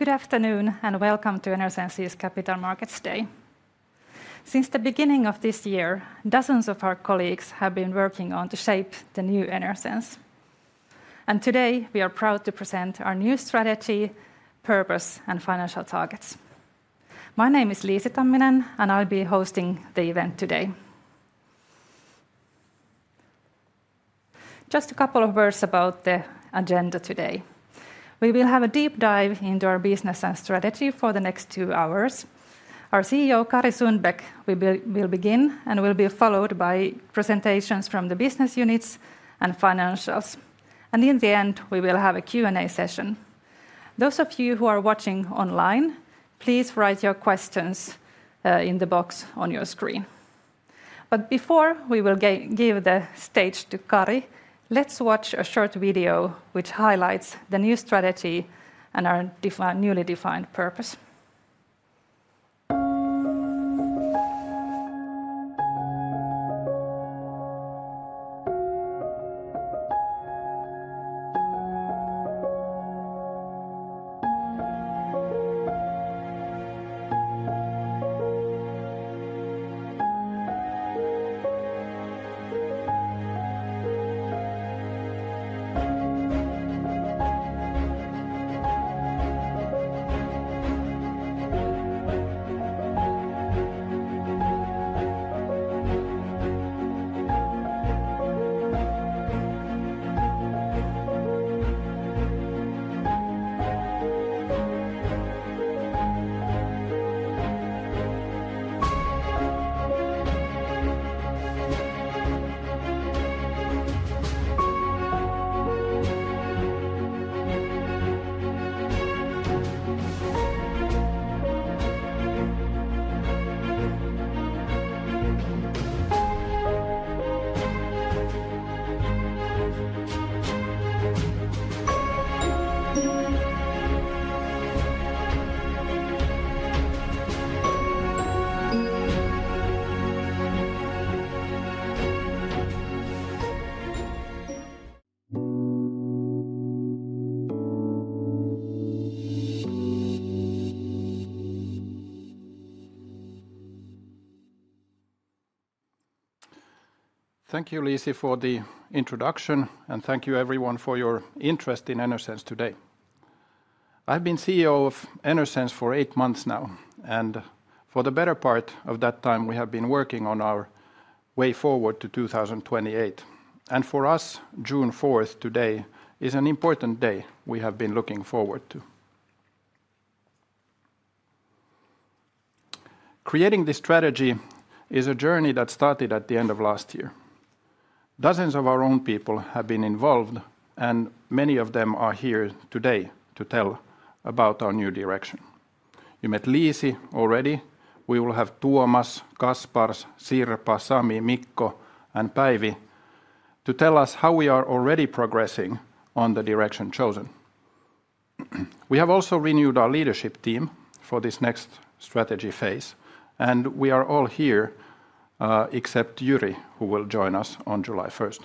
Good afternoon and welcome to Enersense's Capital Markets Day. Since the beginning of this year, dozens of our colleagues have been working to shape the new Enersense. Today we are proud to present our new strategy, purpose, and financial targets. My name is Liisi Tamminen, and I'll be hosting the event today. Just a couple of words about the agenda today. We will have a deep dive into our business and strategy for the next two hours. Our CEO, Kari Sundbäck, will begin, and will be followed by presentations from the business units and financials. In the end, we will have a Q&A session. Those of you who are watching online, please write your questions in the box on your screen. Before we give the stage to Kari, let's watch a short video which highlights the new strategy and our newly defined purpose. Thank you, Liisi, for the introduction, and thank you everyone for your interest in Enersense today. I've been CEO of Enersense for eight months now, and for the better part of that time, we have been working on our way forward to 2028. For us, June 4th today is an important day we have been looking forward to. Creating this strategy is a journey that started at the end of last year. Dozens of our own people have been involved, and many of them are here today to tell about our new direction. You met Liisi already. We will have Tuomas, Kaspars, Sirpa, Sami, Mikko, and Päivi to tell us how we are already progressing on the direction chosen. We have also renewed our leadership team for this next strategy phase, and we are all here except Jyri, who will join us on July 1st.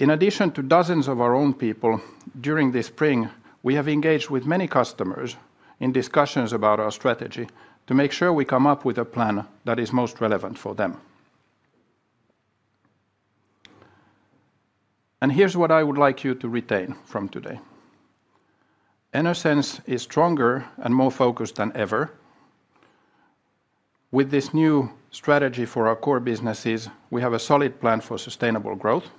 In addition to dozens of our own people, during this spring, we have engaged with many customers in discussions about our strategy to make sure we come up with a plan that is most relevant for them. Here is what I would like you to retain from today. Enersense is stronger and more focused than ever. With this new strategy for our core businesses, we have a solid plan for sustainable growth,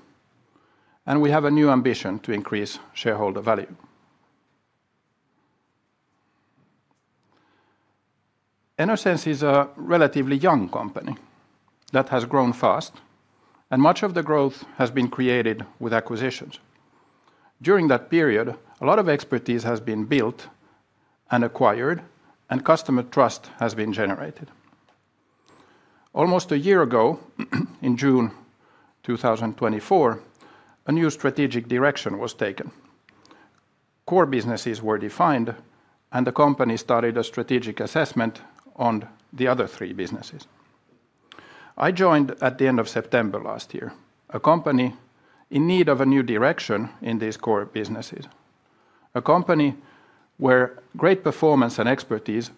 and we have a new ambition to increase shareholder value. Enersense is a relatively young company that has grown fast, and much of the growth has been created with acquisitions. During that period, a lot of expertise has been built and acquired, and customer trust has been generated. Almost a year ago, in June 2024, a new strategic direction was taken. Core businesses were defined, and the company started a strategic assessment on the other three businesses. I joined at the end of September last year, a company in need of a new direction in these core businesses, a company where great performance and expertise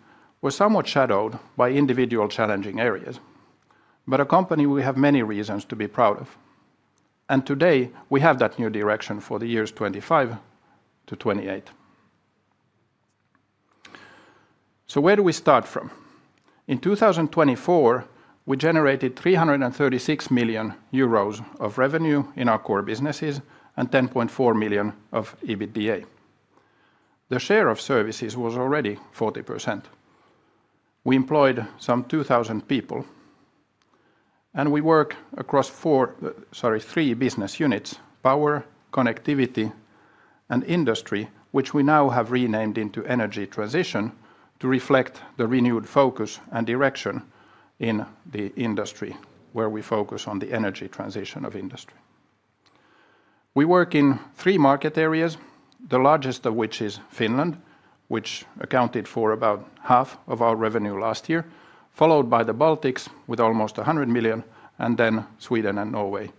were somewhat shadowed by individual challenging areas, but a company we have many reasons to be proud of. Today, we have that new direction for the years 2025 to 2028. Where do we start from? In 2024, we generated 336 million euros of revenue in our core businesses and 10.4 million of EBITDA. The share of services was already 40%. We employed some 2,000 people, and we work across three business units: power, connectivity, and industry, which we now have renamed into energy transition to reflect the renewed focus and direction in the industry, where we focus on the energy transition of industry. We work in three market areas, the largest of which is Finland, which accounted for about half of our revenue last year, followed by the Baltics with almost 100 million, and then Sweden and Norway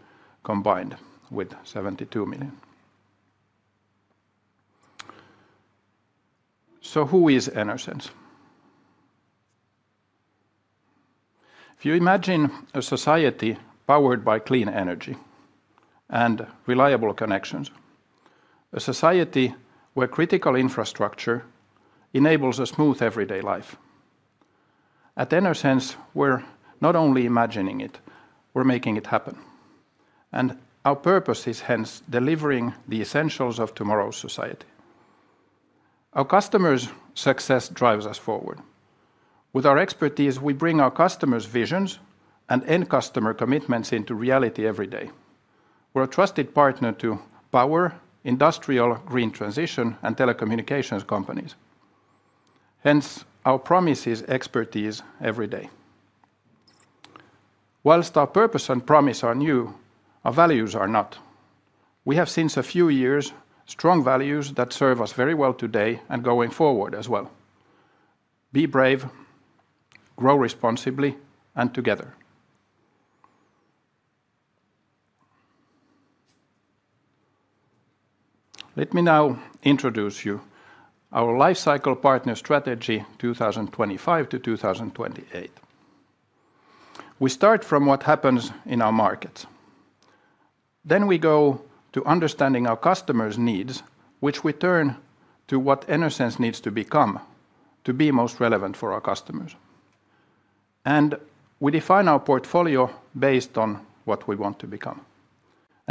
combined with 72 million. Who is Enersense? If you imagine a society powered by clean energy and reliable connections, a society where critical infrastructure enables a smooth everyday life. At Enersense, we're not only imagining it, we're making it happen. Our purpose is hence delivering the essentials of tomorrow's society. Our customers' success drives us forward. With our expertise, we bring our customers' visions and end customer commitments into reality every day. We're a trusted partner to power, industrial, green transition, and telecommunications companies. Hence, our promise is expertise every day. Whilst our purpose and promise are new, our values are not. We have since a few years strong values that serve us very well today and going forward as well. Be brave, grow responsibly, and together. Let me now introduce you to our life cycle partner strategy 2025 to 2028. We start from what happens in our markets. We go to understanding our customers' needs, which we turn to what Enersense needs to become to be most relevant for our customers. We define our portfolio based on what we want to become.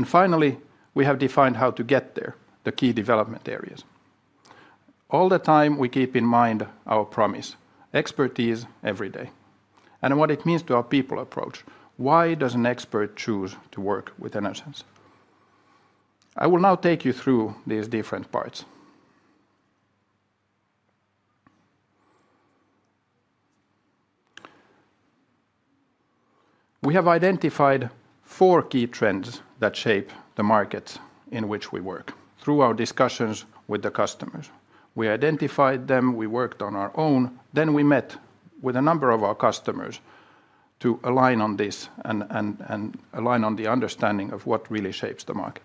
Finally, we have defined how to get there, the key development areas. All the time, we keep in mind our promise, expertise every day, and what it means to our people approach. Why does an expert choose to work with Enersense? I will now take you through these different parts. We have identified four key trends that shape the markets in which we work through our discussions with the customers. We identified them, we worked on our own, then we met with a number of our customers to align on this and align on the understanding of what really shapes the market.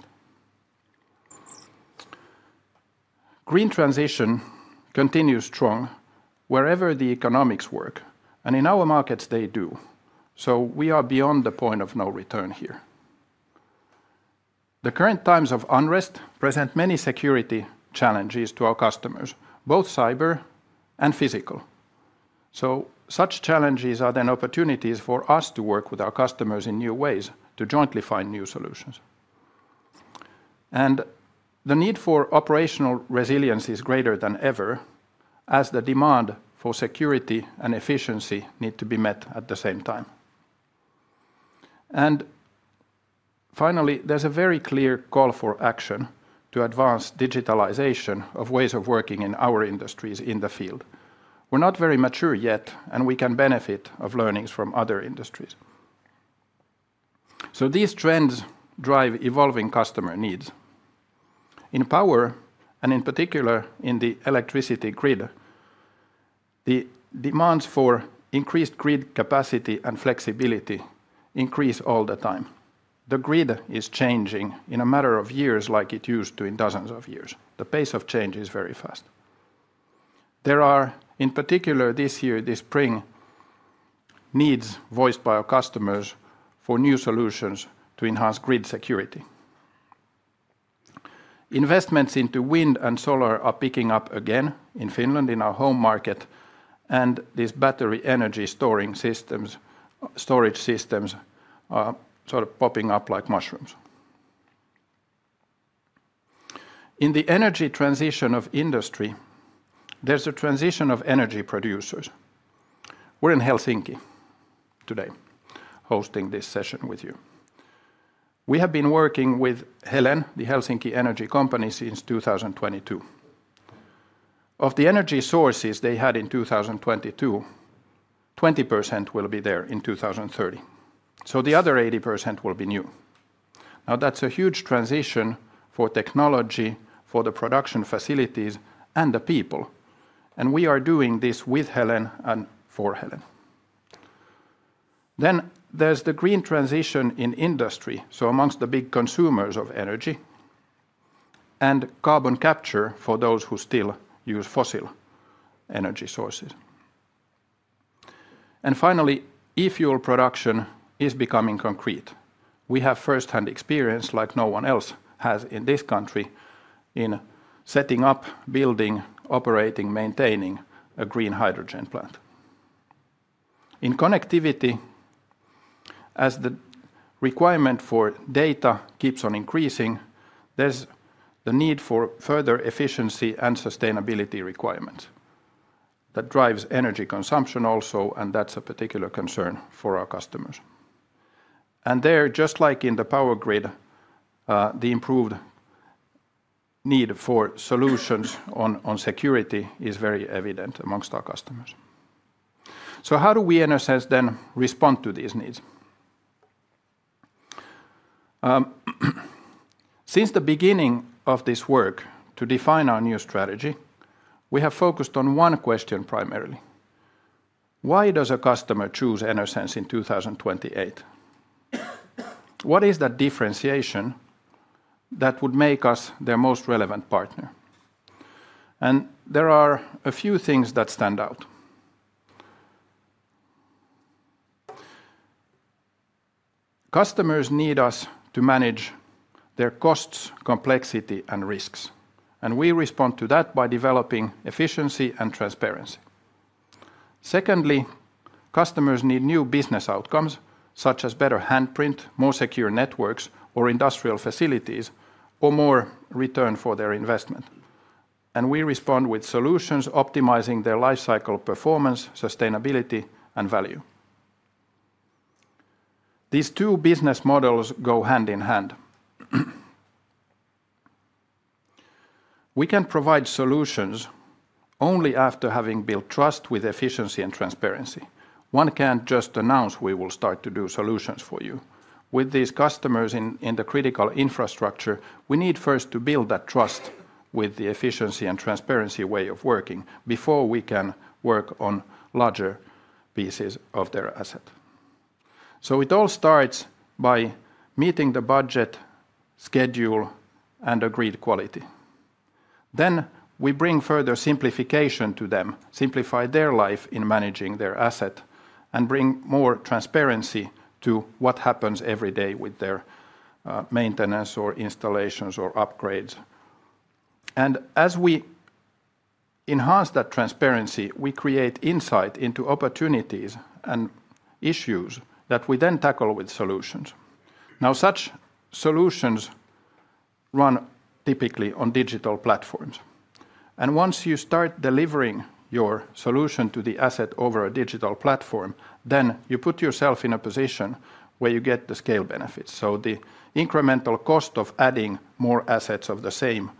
Green transition continues strong wherever the economics work, and in our markets, they do. We are beyond the point of no return here. The current times of unrest present many security challenges to our customers, both cyber and physical. Such challenges are then opportunities for us to work with our customers in new ways to jointly find new solutions. The need for operational resilience is greater than ever, as the demand for security and efficiency need to be met at the same time. There is a very clear call for action to advance digitalization of ways of working in our industries in the field. We're not very mature yet, and we can benefit from learnings from other industries. These trends drive evolving customer needs. In power, and in particular in the electricity grid, the demands for increased grid capacity and flexibility increase all the time. The grid is changing in a matter of years like it used to in dozens of years. The pace of change is very fast. There are, in particular this year, this spring, needs voiced by our customers for new solutions to enhance grid security. Investments into wind and solar are picking up again in Finland, in our home market, and these battery energy storage systems are sort of popping up like mushrooms. In the energy transition of industry, there's a transition of energy producers. We're in Helsinki today hosting this session with you. We have been working with Helen, the Helsinki energy company, since 2022. Of the energy sources they had in 2022, 20% will be there in 2030. The other 80% will be new. That is a huge transition for technology, for the production facilities, and the people. We are doing this with Helen and for Helen. There is the green transition in industry, so amongst the big consumers of energy and carbon capture for those who still use fossil energy sources. Finally, e-fuel production is becoming concrete. We have first-hand experience like no one else has in this country in setting up, building, operating, maintaining a green hydrogen plant. In connectivity, as the requirement for data keeps on increasing, there's the need for further efficiency and sustainability requirements that drive energy consumption also, and that's a particular concern for our customers. There, just like in the power grid, the improved need for solutions on security is very evident amongst our customers. How do we at Enersense then respond to these needs? Since the beginning of this work to define our new strategy, we have focused on one question primarily. Why does a customer choose Enersense in 2028? What is that differentiation that would make us their most relevant partner? There are a few things that stand out. Customers need us to manage their costs, complexity, and risks. We respond to that by developing efficiency and transparency. Secondly, customers need new business outcomes, such as better handprint, more secure networks or industrial facilities, or more return for their investment. We respond with solutions optimizing their life cycle performance, sustainability, and value. These two business models go hand in hand. We can provide solutions only after having built trust with efficiency and transparency. One cannot just announce we will start to do solutions for you. With these customers in the critical infrastructure, we need first to build that trust with the efficiency and transparency way of working before we can work on larger pieces of their asset. It all starts by meeting the budget, schedule, and agreed quality. We bring further simplification to them, simplify their life in managing their asset, and bring more transparency to what happens every day with their maintenance or installations or upgrades. As we enhance that transparency, we create insight into opportunities and issues that we then tackle with solutions. Such solutions run typically on digital platforms. Once you start delivering your solution to the asset over a digital platform, you put yourself in a position where you get the scale benefits. The incremental cost of adding more assets of the same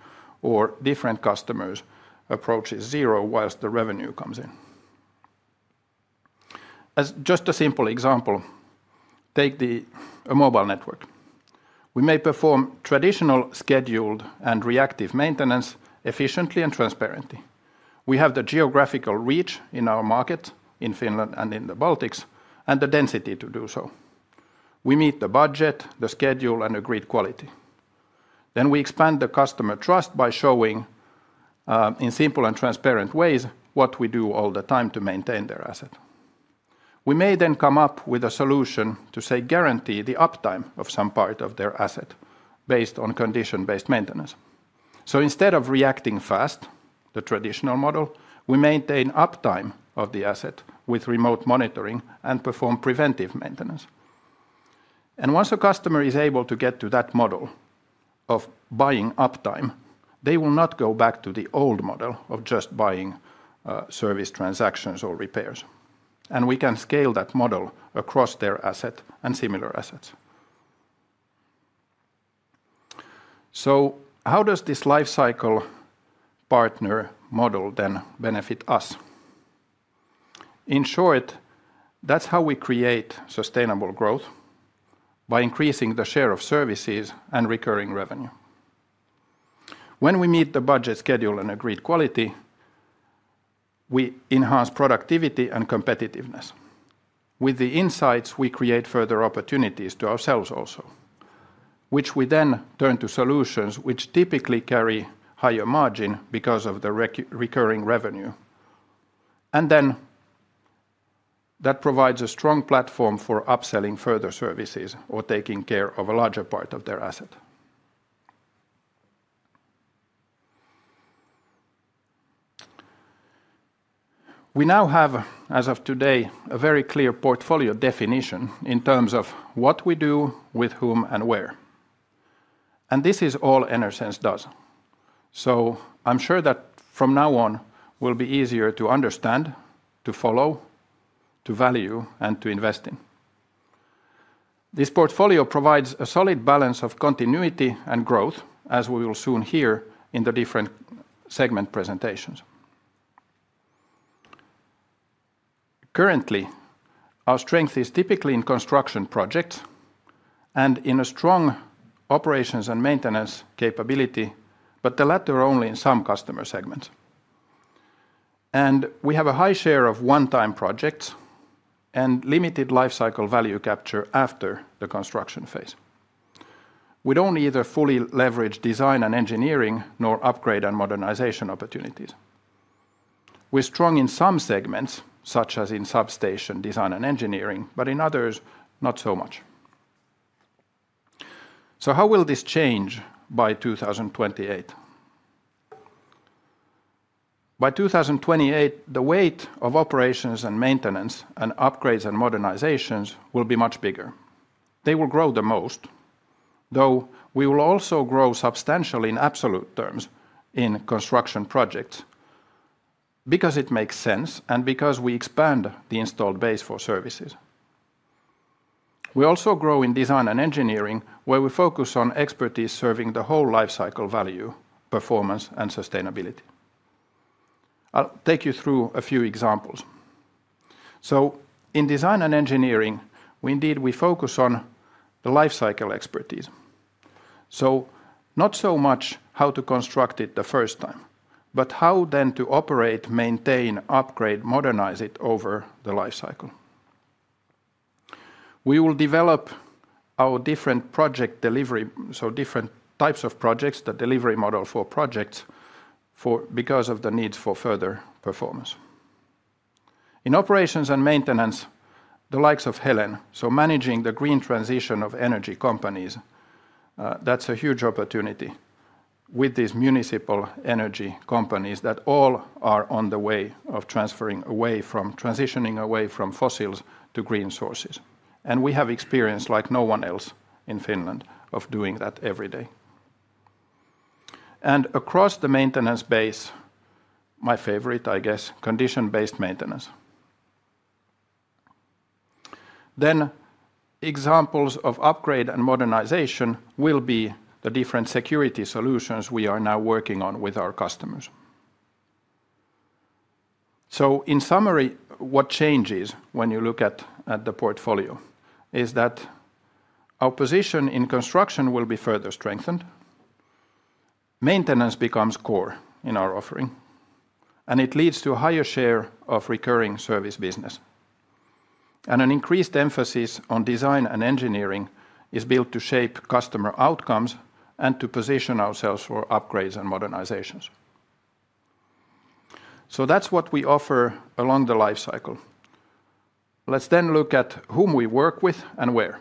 or different customers approaches zero whilst the revenue comes in. Just a simple example, take a mobile network. We may perform traditional scheduled and reactive maintenance efficiently and transparently. We have the geographical reach in our markets in Finland and in the Baltics and the density to do so. We meet the budget, the schedule, and agreed quality. We expand the customer trust by showing in simple and transparent ways what we do all the time to maintain their asset. We may then come up with a solution to, say, guarantee the uptime of some part of their asset based on condition-based maintenance. Instead of reacting fast, the traditional model, we maintain uptime of the asset with remote monitoring and perform preventive maintenance. Once a customer is able to get to that model of buying uptime, they will not go back to the old model of just buying service transactions or repairs. We can scale that model across their asset and similar assets. How does this life cycle partner model then benefit us? In short, that's how we create sustainable growth by increasing the share of services and recurring revenue. When we meet the budget, schedule, and agreed quality, we enhance productivity and competitiveness. With the insights, we create further opportunities to ourselves also, which we then turn to solutions which typically carry higher margin because of the recurring revenue. That provides a strong platform for upselling further services or taking care of a larger part of their asset. We now have, as of today, a very clear portfolio definition in terms of what we do, with whom, and where. This is all Enersense does. I am sure that from now on, it will be easier to understand, to follow, to value, and to invest in. This portfolio provides a solid balance of continuity and growth, as we will soon hear in the different segment presentations. Currently, our strength is typically in construction projects and in a strong operations and maintenance capability, but the latter only in some customer segments. We have a high share of one-time projects and limited life cycle value capture after the construction phase. We do not either fully leverage design and engineering nor upgrade and modernization opportunities. We are strong in some segments, such as in substation design and engineering, but in others, not so much. How will this change by 2028? By 2028, the weight of operations and maintenance and upgrades and modernizations will be much bigger. They will grow the most, though we will also grow substantially in absolute terms in construction projects because it makes sense and because we expand the installed base for services. We also grow in design and engineering, where we focus on expertise serving the whole life cycle value, performance, and sustainability. I will take you through a few examples. In design and engineering, we indeed focus on the life cycle expertise. Not so much how to construct it the first time, but how then to operate, maintain, upgrade, modernize it over the life cycle. We will develop our different project delivery, so different types of projects, the delivery model for projects because of the needs for further performance. In operations and maintenance, the likes of Helen, so managing the green transition of energy companies, that's a huge opportunity with these municipal energy companies that all are on the way of transitioning away from fossils to green sources. We have experience like no one else in Finland of doing that every day. Across the maintenance base, my favorite, I guess, condition-based maintenance. Examples of upgrade and modernization will be the different security solutions we are now working on with our customers. In summary, what changes when you look at the portfolio is that our position in construction will be further strengthened. Maintenance becomes core in our offering, and it leads to a higher share of recurring service business. An increased emphasis on design and engineering is built to shape customer outcomes and to position ourselves for upgrades and modernizations. That is what we offer along the life cycle. Let's then look at whom we work with and where.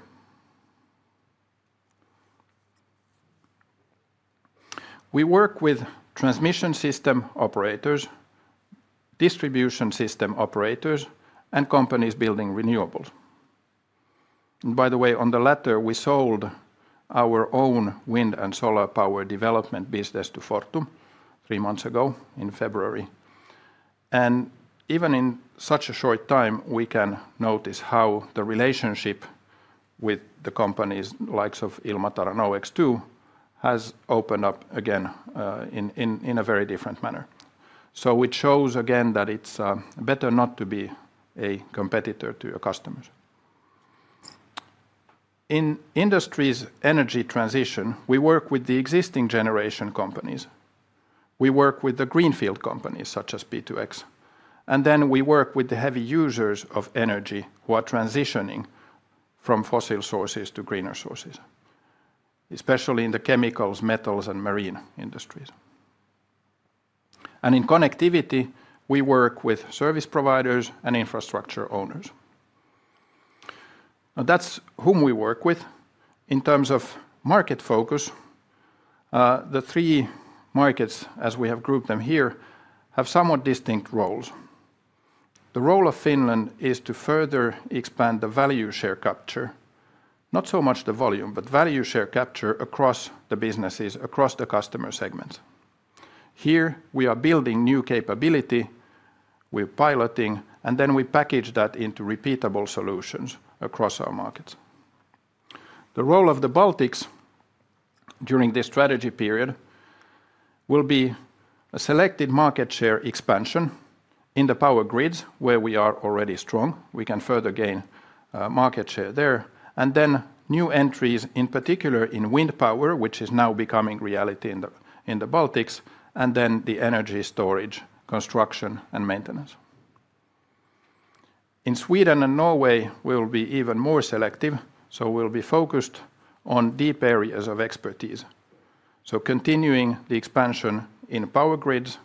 We work with transmission system operators, distribution system operators, and companies building renewables. By the way, on the latter, we sold our own wind and solar power development business to Fortum three months ago in February. Even in such a short time, we can notice how the relationship with companies like Ilmatar and OX2 has opened up again in a very different manner. It shows again that it's better not to be a competitor to your customers. In industries' energy transition, we work with the existing generation companies. We work with the greenfield companies, such as P2X. We work with the heavy users of energy who are transitioning from fossil sources to greener sources, especially in the chemicals, metals, and marine industries. In connectivity, we work with service providers and infrastructure owners. Now, that's whom we work with. In terms of market focus, the three markets, as we have grouped them here, have somewhat distinct roles. The role of Finland is to further expand the value share capture, not so much the volume, but value share capture across the businesses, across the customer segments. Here, we are building new capability. We're piloting, and then we package that into repeatable solutions across our markets. The role of the Baltics during this strategy period will be a selected market share expansion in the power grids, where we are already strong. We can further gain market share there. New entries, in particular in wind power, which is now becoming reality in the Baltics, and then the energy storage, construction, and maintenance. In Sweden and Norway, we'll be even more selective, so we'll be focused on deep areas of expertise. Continuing the expansion in power grids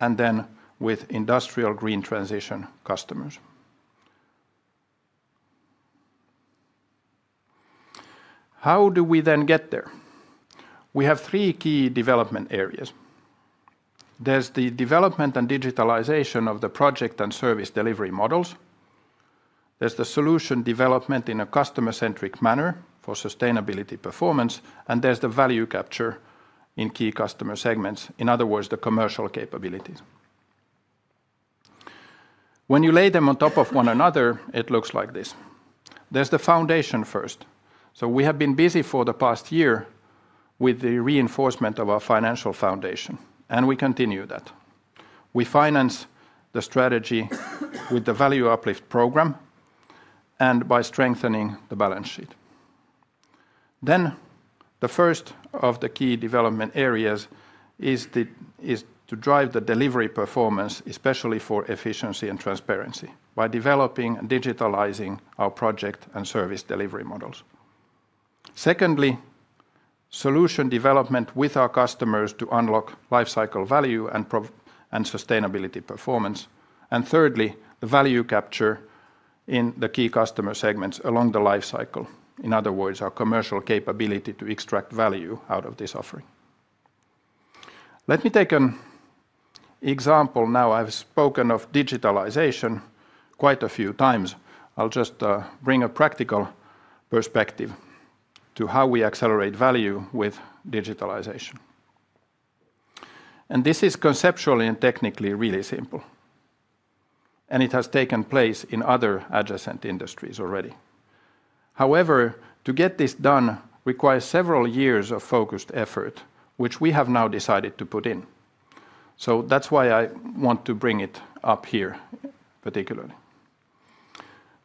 and then with industrial green transition customers. How do we then get there? We have three key development areas. There's the development and digitalization of the project and service delivery models. There's the solution development in a customer-centric manner for sustainability performance, and there's the value capture in key customer segments, in other words, the commercial capabilities. When you lay them on top of one another, it looks like this. There is the foundation first. We have been busy for the past year with the reinforcement of our financial foundation, and we continue that. We finance the strategy with the value uplift program and by strengthening the balance sheet. The first of the key development areas is to drive the delivery performance, especially for efficiency and transparency, by developing and digitalizing our project and service delivery models. Secondly, solution development with our customers to unlock life cycle value and sustainability performance. Thirdly, the value capture in the key customer segments along the life cycle, in other words, our commercial capability to extract value out of this offering. Let me take an example. Now, I have spoken of digitalization quite a few times. I will just bring a practical perspective to how we accelerate value with digitalization. This is conceptually and technically really simple, and it has taken place in other adjacent industries already. However, to get this done requires several years of focused effort, which we have now decided to put in. That is why I want to bring it up here particularly.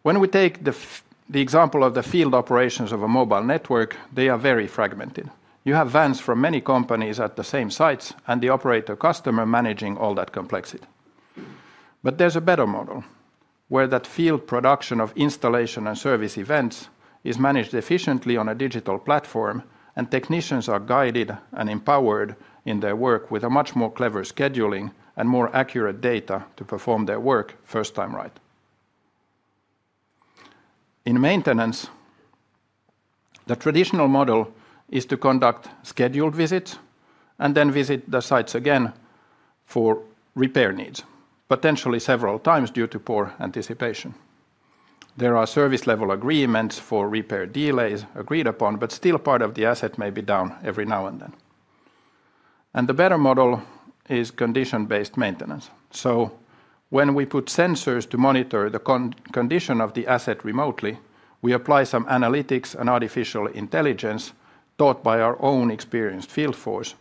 When we take the example of the field operations of a mobile network, they are very fragmented. You have vans from many companies at the same sites and the operator customer managing all that complexity. There is a better model where that field production of installation and service events is managed efficiently on a digital platform, and technicians are guided and empowered in their work with much more clever scheduling and more accurate data to perform their work first time right. In maintenance, the traditional model is to conduct scheduled visits and then visit the sites again for repair needs, potentially several times due to poor anticipation. There are service level agreements for repair delays agreed upon, but still part of the asset may be down every now and then. The better model is condition-based maintenance. When we put sensors to monitor the condition of the asset remotely, we apply some analytics and artificial intelligence taught by our own experienced field force.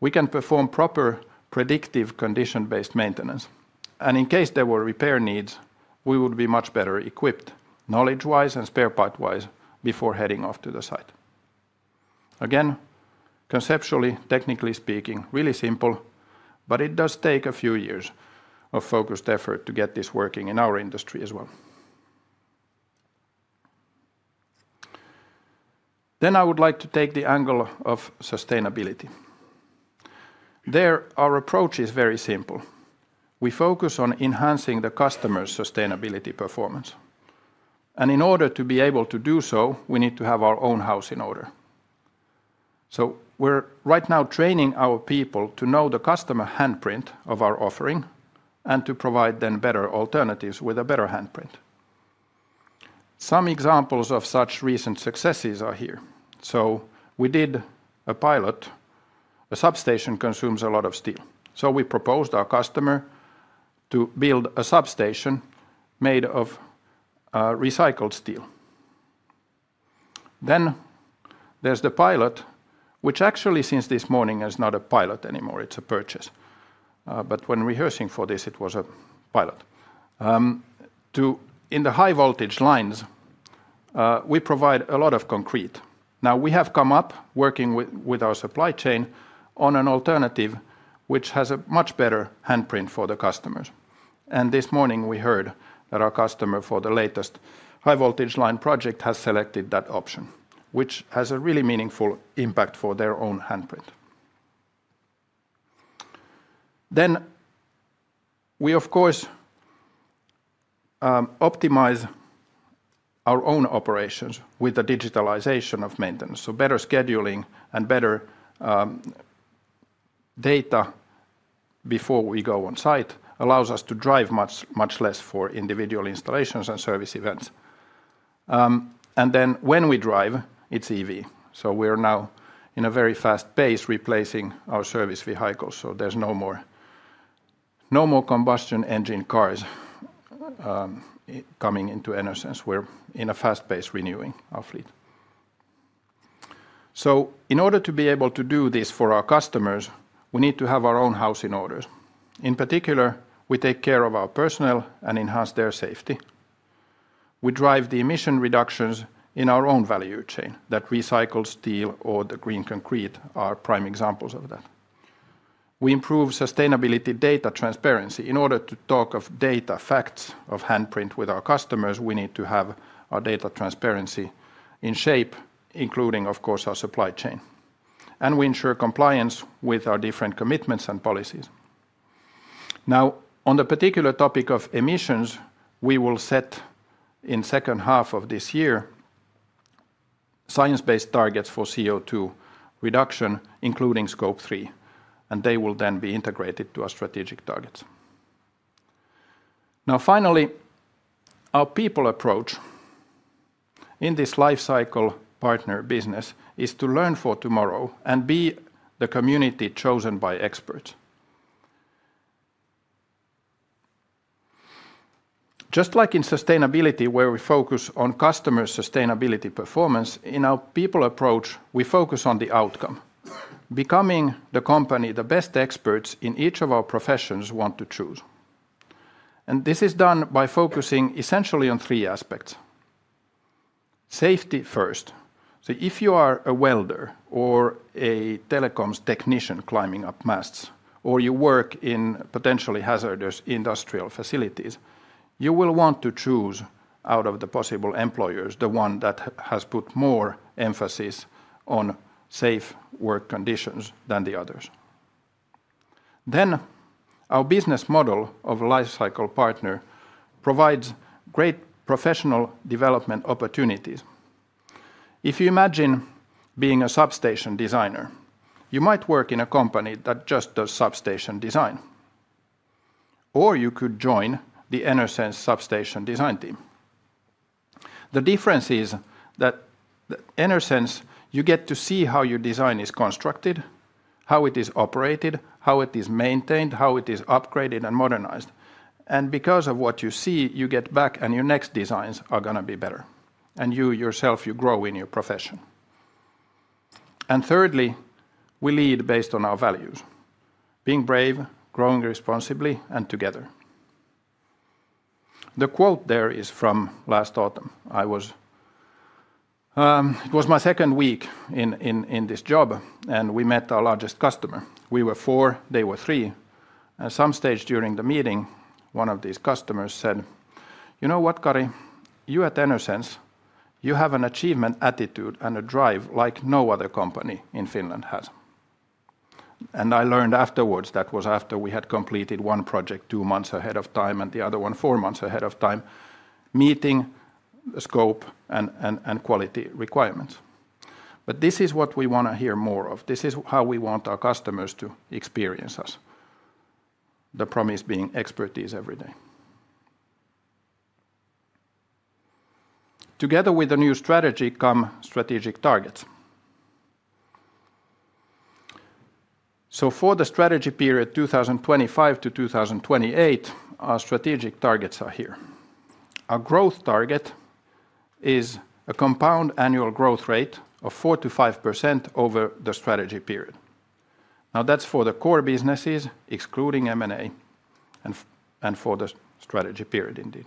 We can perform proper predictive condition-based maintenance. In case there were repair needs, we would be much better equipped knowledge-wise and spare part-wise before heading off to the site. Conceptually, technically speaking, really simple, but it does take a few years of focused effort to get this working in our industry as well. I would like to take the angle of sustainability. There, our approach is very simple. We focus on enhancing the customer's sustainability performance. In order to be able to do so, we need to have our own house in order. We are right now training our people to know the customer handprint of our offering and to provide them better alternatives with a better handprint. Some examples of such recent successes are here. We did a pilot. A substation consumes a lot of steel. We proposed our customer to build a substation made of recycled steel. There is the pilot, which actually since this morning is not a pilot anymore. It is a purchase. When rehearsing for this, it was a pilot. In the high-voltage lines, we provide a lot of concrete. Now, we have come up working with our supply chain on an alternative which has a much better handprint for the customers. This morning, we heard that our customer for the latest high-voltage line project has selected that option, which has a really meaningful impact for their own handprint. We, of course, optimize our own operations with the digitalization of maintenance. Better scheduling and better data before we go on site allows us to drive much less for individual installations and service events. When we drive, it is EV. We are now in a very fast pace replacing our service vehicles. There are no more combustion engine cars coming into Enersense. We are in a fast pace renewing our fleet. In order to be able to do this for our customers, we need to have our own house in order. In particular, we take care of our personnel and enhance their safety. We drive the emission reductions in our own value chain, that recycled steel or the green concrete are prime examples of that. We improve sustainability data transparency. In order to talk of data facts of handprint with our customers, we need to have our data transparency in shape, including, of course, our supply chain. We ensure compliance with our different commitments and policies. Now, on the particular topic of emissions, we will set in the second half of this year science-based targets for CO2 reduction, including Scope 3, and they will then be integrated to our strategic targets. Now, finally, our people approach in this life cycle partner business is to learn for tomorrow and be the community chosen by experts. Just like in sustainability, where we focus on customer sustainability performance, in our people approach, we focus on the outcome, becoming the company the best experts in each of our professions want to choose. This is done by focusing essentially on three aspects: safety first. If you are a welder or a telecoms technician climbing up masts, or you work in potentially hazardous industrial facilities, you will want to choose out of the possible employers the one that has put more emphasis on safe work conditions than the others. Our business model of life cycle partner provides great professional development opportunities. If you imagine being a substation designer, you might work in a company that just does substation design, or you could join the Enersense substation design team. The difference is that at Enersense, you get to see how your design is constructed, how it is operated, how it is maintained, how it is upgraded and modernized. Because of what you see, you get back, and your next designs are going to be better. You yourself, you grow in your profession. Thirdly, we lead based on our values: being brave, growing responsibly, and together. The quote there is from last autumn. It was my second week in this job, and we met our largest customer. We were four; they were three. At some stage during the meeting, one of these customers said, "You know what, Kari? You at Enersense, you have an achievement attitude and a drive like no other company in Finland has." I learned afterwards that was after we had completed one project two months ahead of time and the other one four months ahead of time, meeting the scope and quality requirements. This is what we want to hear more of. This is how we want our customers to experience us, the promise being expertise every day. Together with the new strategy come strategic targets. For the strategy period 2025 to 2028, our strategic targets are here. Our growth target is a compound annual growth rate of 4-5% over the strategy period. That is for the core businesses, excluding M&A, and for the strategy period indeed.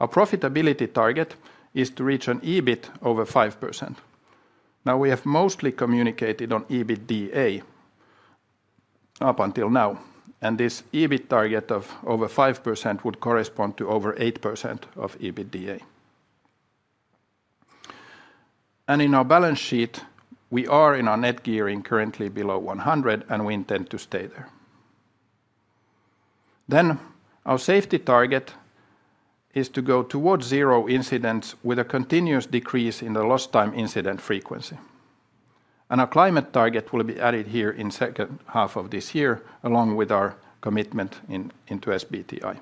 Our profitability target is to reach an EBIT over 5%. Now, we have mostly communicated on EBITDA up until now, and this EBIT target of over 5% would correspond to over 8% of EBITDA. In our balance sheet, we are in our net gearing currently below 100%, and we intend to stay there. Our safety target is to go towards zero incidents with a continuous decrease in the lost time incident frequency. Our climate target will be added here in the second half of this year, along with our commitment into SBTi.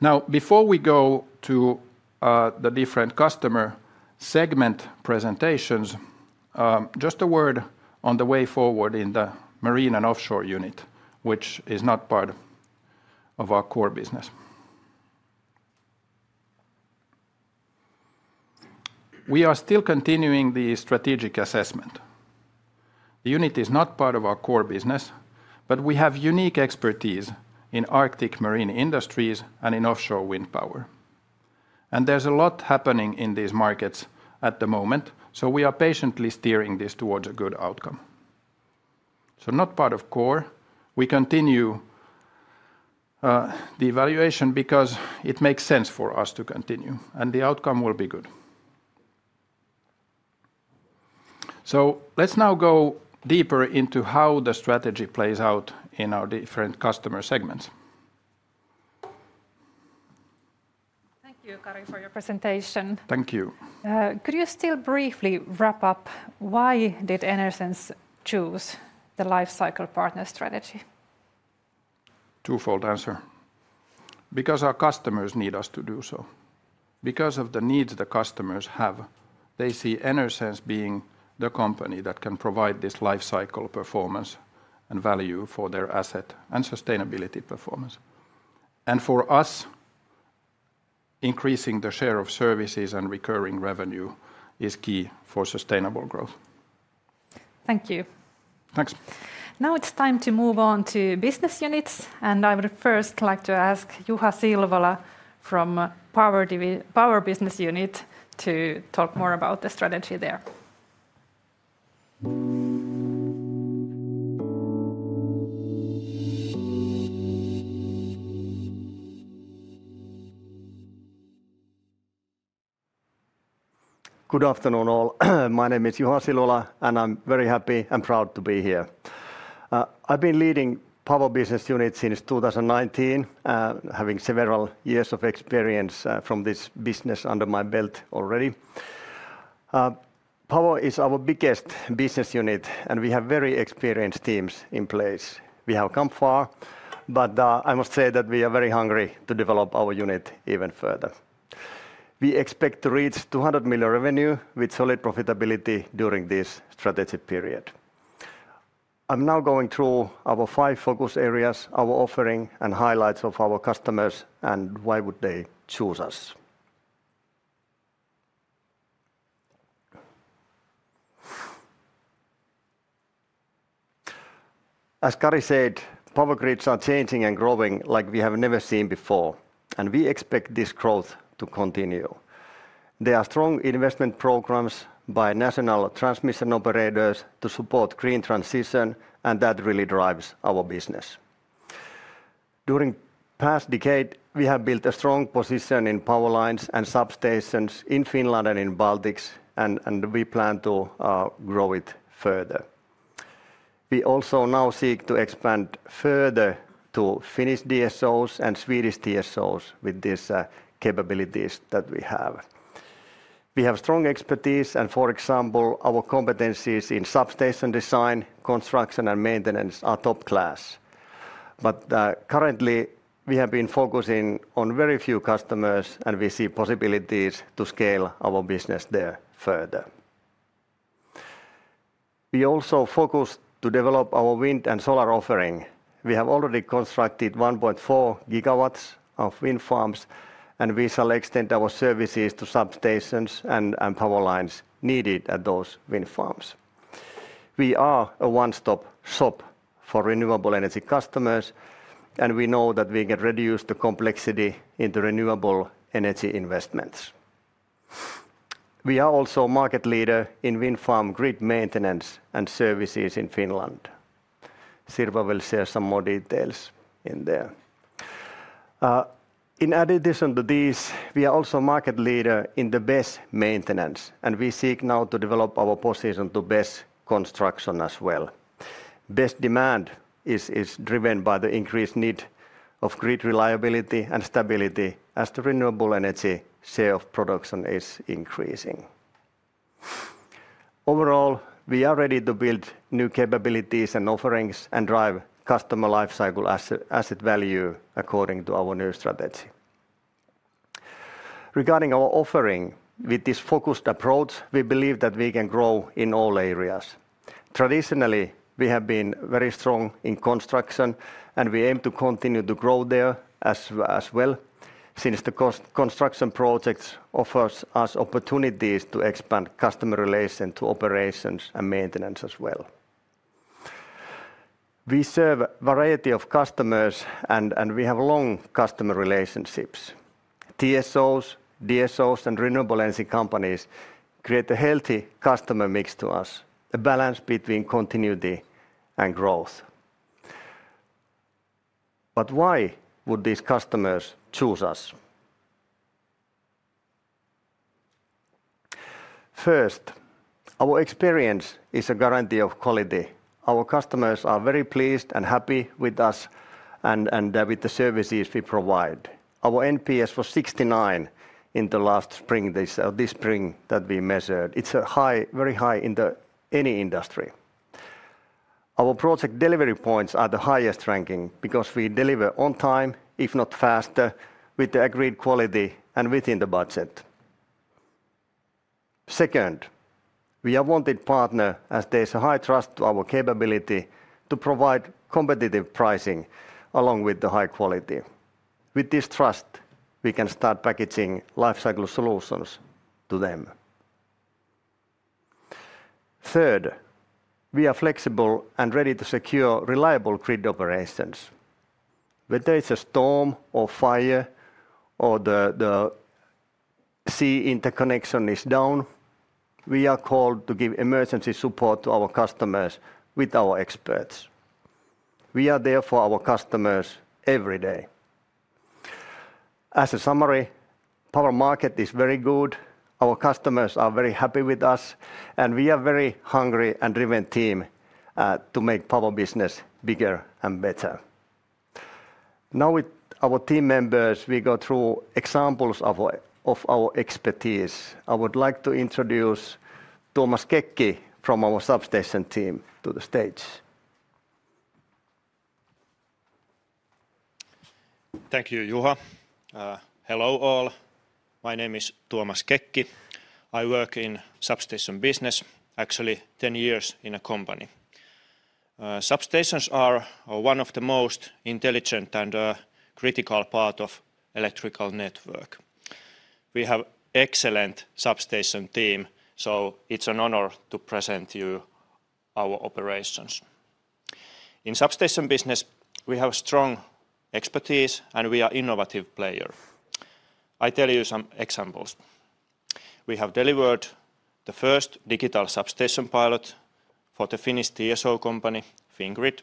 Now, before we go to the different customer segment presentations, just a word on the way forward in the marine and offshore unit, which is not part of our core business. We are still continuing the strategic assessment. The unit is not part of our core business, but we have unique expertise in Arctic marine industries and in offshore wind power. There is a lot happening in these markets at the moment, so we are patiently steering this towards a good outcome. Not part of core, we continue the evaluation because it makes sense for us to continue, and the outcome will be good. Let's now go deeper into how the strategy plays out in our different customer segments. Thank you, Kari, for your presentation. Thank you. Could you still briefly wrap up why did Enersense choose the life cycle partner strategy? Two-fold answer. Because our customers need us to do so. Because of the needs the customers have, they see Enersense being the company that can provide this life cycle performance and value for their asset and sustainability performance. For us, increasing the share of services and recurring revenue is key for sustainable growth. Thank you. Thanks. Now it's time to move on to business units, and I would first like to ask Juha Silvola from Power Business Unit to talk more about the strategy there. Good afternoon all. My name is Juha Silvola, and I'm very happy and proud to be here. I've been leading Power Business Unit since 2019, having several years of experience from this business under my belt already. Power is our biggest business unit, and we have very experienced teams in place. We have come far, but I must say that we are very hungry to develop our unit even further. We expect to reach 200 million revenue with solid profitability during this strategy period. I'm now going through our five focus areas, our offering, and highlights of our customers and why would they choose us. As Kari said, power grids are changing and growing like we have never seen before, and we expect this growth to continue. There are strong investment programs by national transmission operators to support green transition, and that really drives our business. During the past decade, we have built a strong position in power lines and substations in Finland and in Baltics, and we plan to grow it further. We also now seek to expand further to Finnish DSOs and Swedish DSOs with these capabilities that we have. We have strong expertise, and for example, our competencies in substation design, construction, and maintenance are top class. Currently, we have been focusing on very few customers, and we see possibilities to scale our business there further. We also focus to develop our wind and solar offering. We have already constructed 1.4 GW of wind farms, and we shall extend our services to substations and power lines needed at those wind farms. We are a one-stop shop for renewable energy customers, and we know that we can reduce the complexity into renewable energy investments. We are also a market leader in wind farm grid maintenance and services in Finland. Sirpa will share some more details in there. In addition to these, we are also a market leader in BESS maintenance, and we seek now to develop our position to BESS construction as well. BESS demand is driven by the increased need of grid reliability and stability as the renewable energy share of production is increasing. Overall, we are ready to build new capabilities and offerings and drive customer life cycle asset value according to our new strategy. Regarding our offering, with this focused approach, we believe that we can grow in all areas. Traditionally, we have been very strong in construction, and we aim to continue to grow there as well since the construction projects offer us opportunities to expand customer relation to operations and maintenance as well. We serve a variety of customers, and we have long customer relationships. TSOs, DSOs, and renewable energy companies create a healthy customer mix to us, a balance between continuity and growth. Why would these customers choose us? First, our experience is a guarantee of quality. Our customers are very pleased and happy with us and with the services we provide. Our NPS was 69 in the last spring, this spring that we measured. It is very high in any industry. Our project delivery points are the highest ranking because we deliver on time, if not faster, with the agreed quality and within the budget. Second, we are a wanted partner as there is a high trust to our capability to provide competitive pricing along with the high quality. With this trust, we can start packaging life cycle solutions to them. Third, we are flexible and ready to secure reliable grid operations. Whether it is a storm or fire or the sea interconnection is down, we are called to give emergency support to our customers with our experts. We are there for our customers every day. As a summary, power market is very good. Our customers are very happy with us, and we are a very hungry and driven team to make power business bigger and better. Now, with our team members, we go through examples of our expertise. I would like to introduce Tuomas Kekki from our substation team to the stage. Thank you, Juha. Hello all. My name is Tuomas Kekki. I work in substation business, actually 10 years in a company. Substations are one of the most intelligent and critical parts of the electrical network. We have an excellent substation team, so it's an honor to present to you our operations. In substation business, we have strong expertise, and we are an innovative player. I'll tell you some examples. We have delivered the first digital substation pilot for the Finnish TSO company, Fingrid.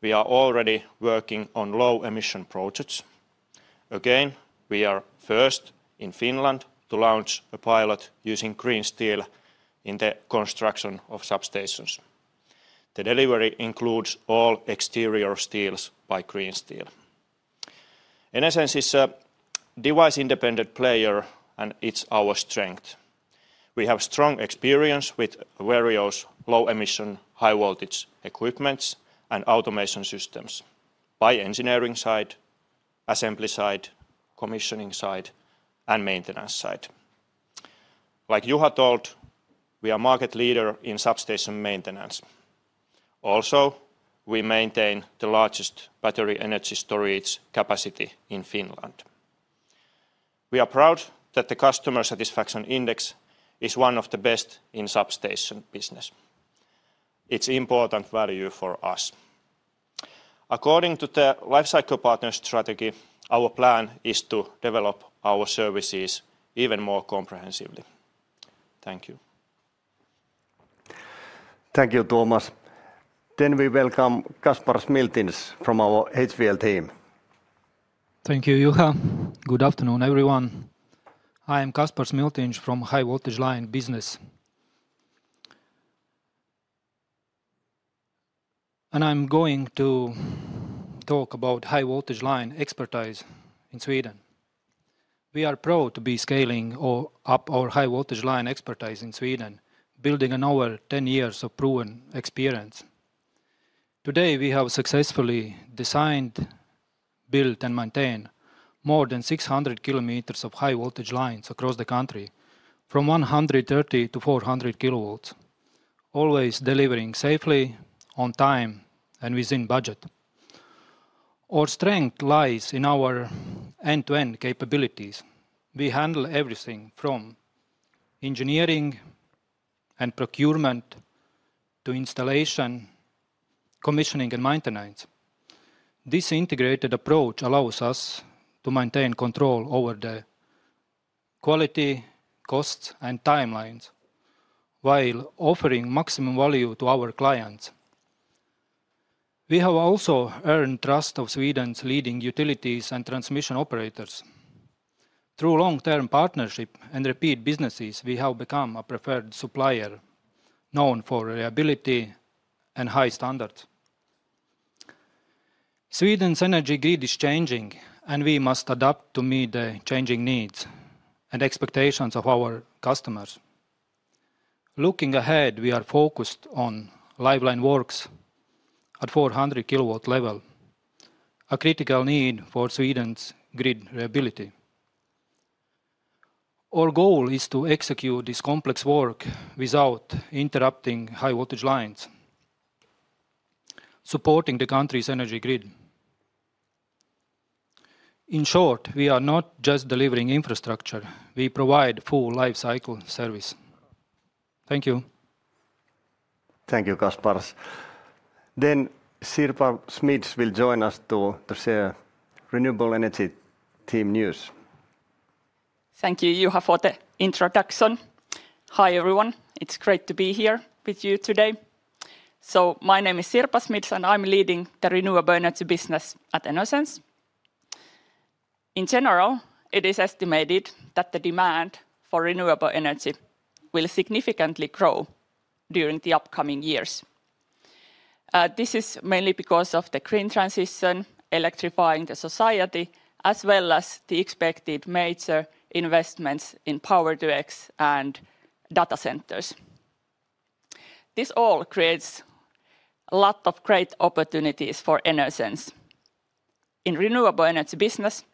We are already working on low-emission projects. Again, we are first in Finland to launch a pilot using green steel in the construction of substations. The delivery includes all exterior steels by green steel. Enersense is a device-independent player, and it's our strength. We have strong experience with various low-emission, high-voltage equipments and automation systems by engineering side, assembly side, commissioning side, and maintenance side. Like Juha told, we are a market leader in substation maintenance. Also, we maintain the largest battery energy storage capacity in Finland. We are proud that the customer satisfaction index is one of the best in substation business. It's an important value for us. According to the life cycle partner strategy, our plan is to develop our services even more comprehensively. Thank you. Thank you, Tuomas. We welcome Kaspars Miltins from our HVL team. Thank you, Juha. Good afternoon, everyone. I am Kaspars Miltins from high-voltage line business. I am going to talk about high-voltage line expertise in Sweden. We are proud to be scaling up our high-voltage line expertise in Sweden, building on our 10 years of proven experience. Today, we have successfully designed, built, and maintained more than 600 km of high-voltage lines across the country, from 130 KV to 400 KV, always delivering safely, on time, and within budget. Our strength lies in our end-to-end capabilities. We handle everything from engineering and procurement to installation, commissioning, and maintenance. This integrated approach allows us to maintain control over the quality, costs, and timelines while offering maximum value to our clients. We have also earned the trust of Sweden's leading utilities and transmission operators. Through long-term partnerships and repeat businesses, we have become a preferred supplier, known for reliability and high standards. Sweden's energy grid is changing, and we must adapt to meet the changing needs and expectations of our customers. Looking ahead, we are focused on live line works at 400 KV level, a critical need for Sweden's grid reliability. Our goal is to execute this complex work without interrupting high-voltage lines, supporting the country's energy grid. In short, we are not just delivering infrastructure; we provide full life cycle service. Thank you. Thank you, Kaspars. Sirpa Smids will join us to share renewable energy team news. Thank you, Juha, for the introduction. Hi, everyone. It's great to be here with you today. My name is Sirpa Smids, and I'm leading the renewable energy business at Enersense. In general, it is estimated that the demand for renewable energy will significantly grow during the upcoming years. This is mainly because of the green transition, electrifying the society, as well as the expected major investments in Power-to-X and data centers. This all creates a lot of great opportunities for Enersense. In the renewable energy business,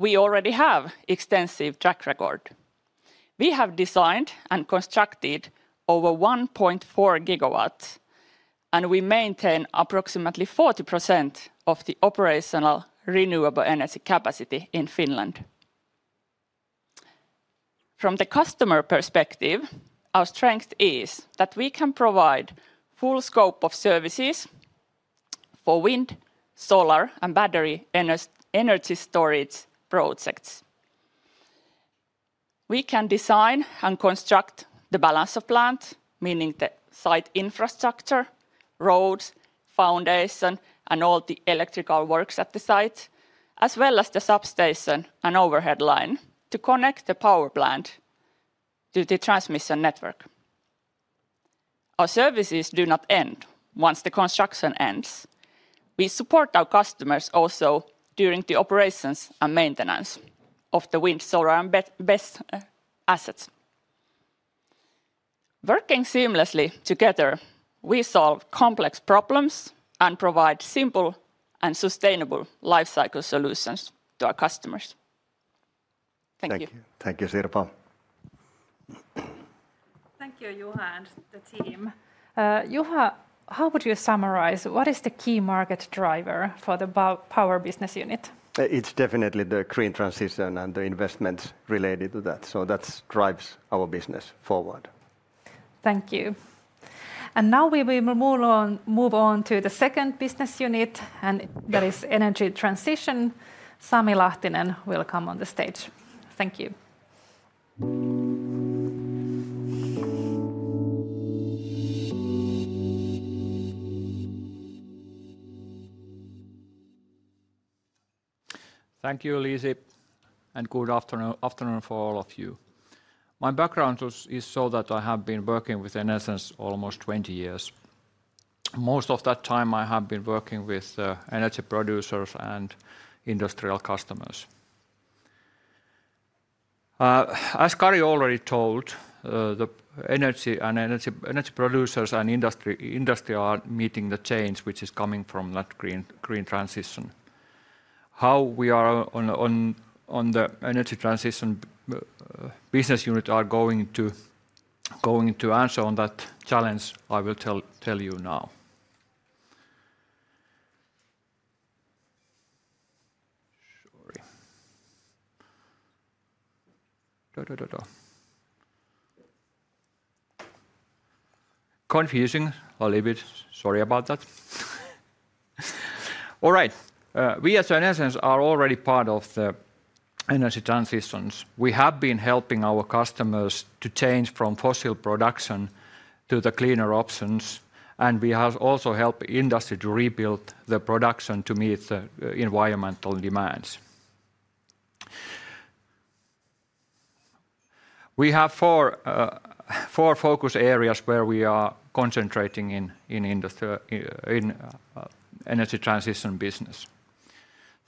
we already have an extensive track record. We have designed and constructed over 1.4 GW, and we maintain approximately 40% of the operational renewable energy capacity in Finland. From the customer perspective, our strength is that we can provide a full scope of services for wind, solar, and battery energy storage projects. We can design and construct the balance of plants, meaning the site infrastructure, roads, foundation, and all the electrical works at the site, as well as the substation and overhead line to connect the power plant to the transmission network. Our services do not end once the construction ends. We support our customers also during the operations and maintenance of the wind, solar, and BESS assets. Working seamlessly together, we solve complex problems and provide simple and sustainable life cycle solutions to our customers. Thank you. Thank you, Sirpa. Thank you, Juha and the team. Juha, how would you summarize? What is the key market driver for the Power Business Unit? It's definitely the green transition and the investments related to that. That drives our business forward. Thank you. Now we will move on to the second business unit, and that is energy transition. Sami Lahtinen will come on the stage. Thank you. Thank you, Liisi, and good afternoon for all of you. My background is so that I have been working with Enersense almost 20 years. Most of that time, I have been working with energy producers and industrial customers. As Kari already told, the energy and energy producers and industry are meeting the change which is coming from that green transition. How we are on the energy transition business unit are going to answer on that challenge, I will tell you now. Confusing, a little bit. Sorry about that. All right. We at Enersense are already part of the energy transitions. We have been helping our customers to change from fossil production to the cleaner options, and we have also helped industry to rebuild the production to meet the environmental demands. We have four focus areas where we are concentrating in energy transition business.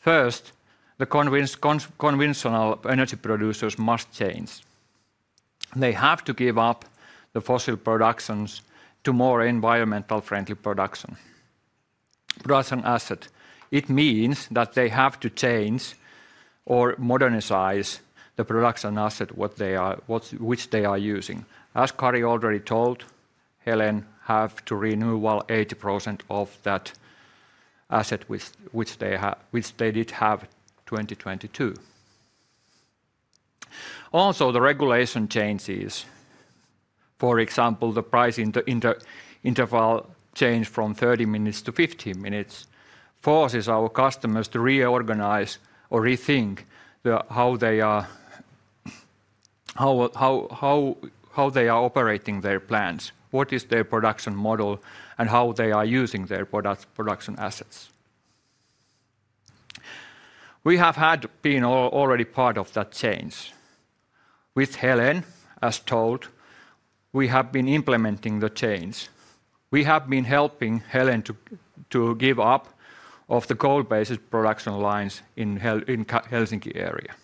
First, the conventional energy producers must change. They have to give up the fossil productions to more environmentally friendly production assets. It means that they have to change or modernize the production assets which they are using. As Kari already told, Helen has to renew 80% of that asset which they did have in 2022. Also, the regulation changes. For example, the price interval changed from 30 minutes to 15 minutes, forcing our customers to reorganize or rethink how they are operating their plants, what is their production model, and how they are using their production assets. We have been already part of that change. With Helen, as told, we have been implementing the change. We have been helping Helen to give up the coal-based production lines in the Helsinki area.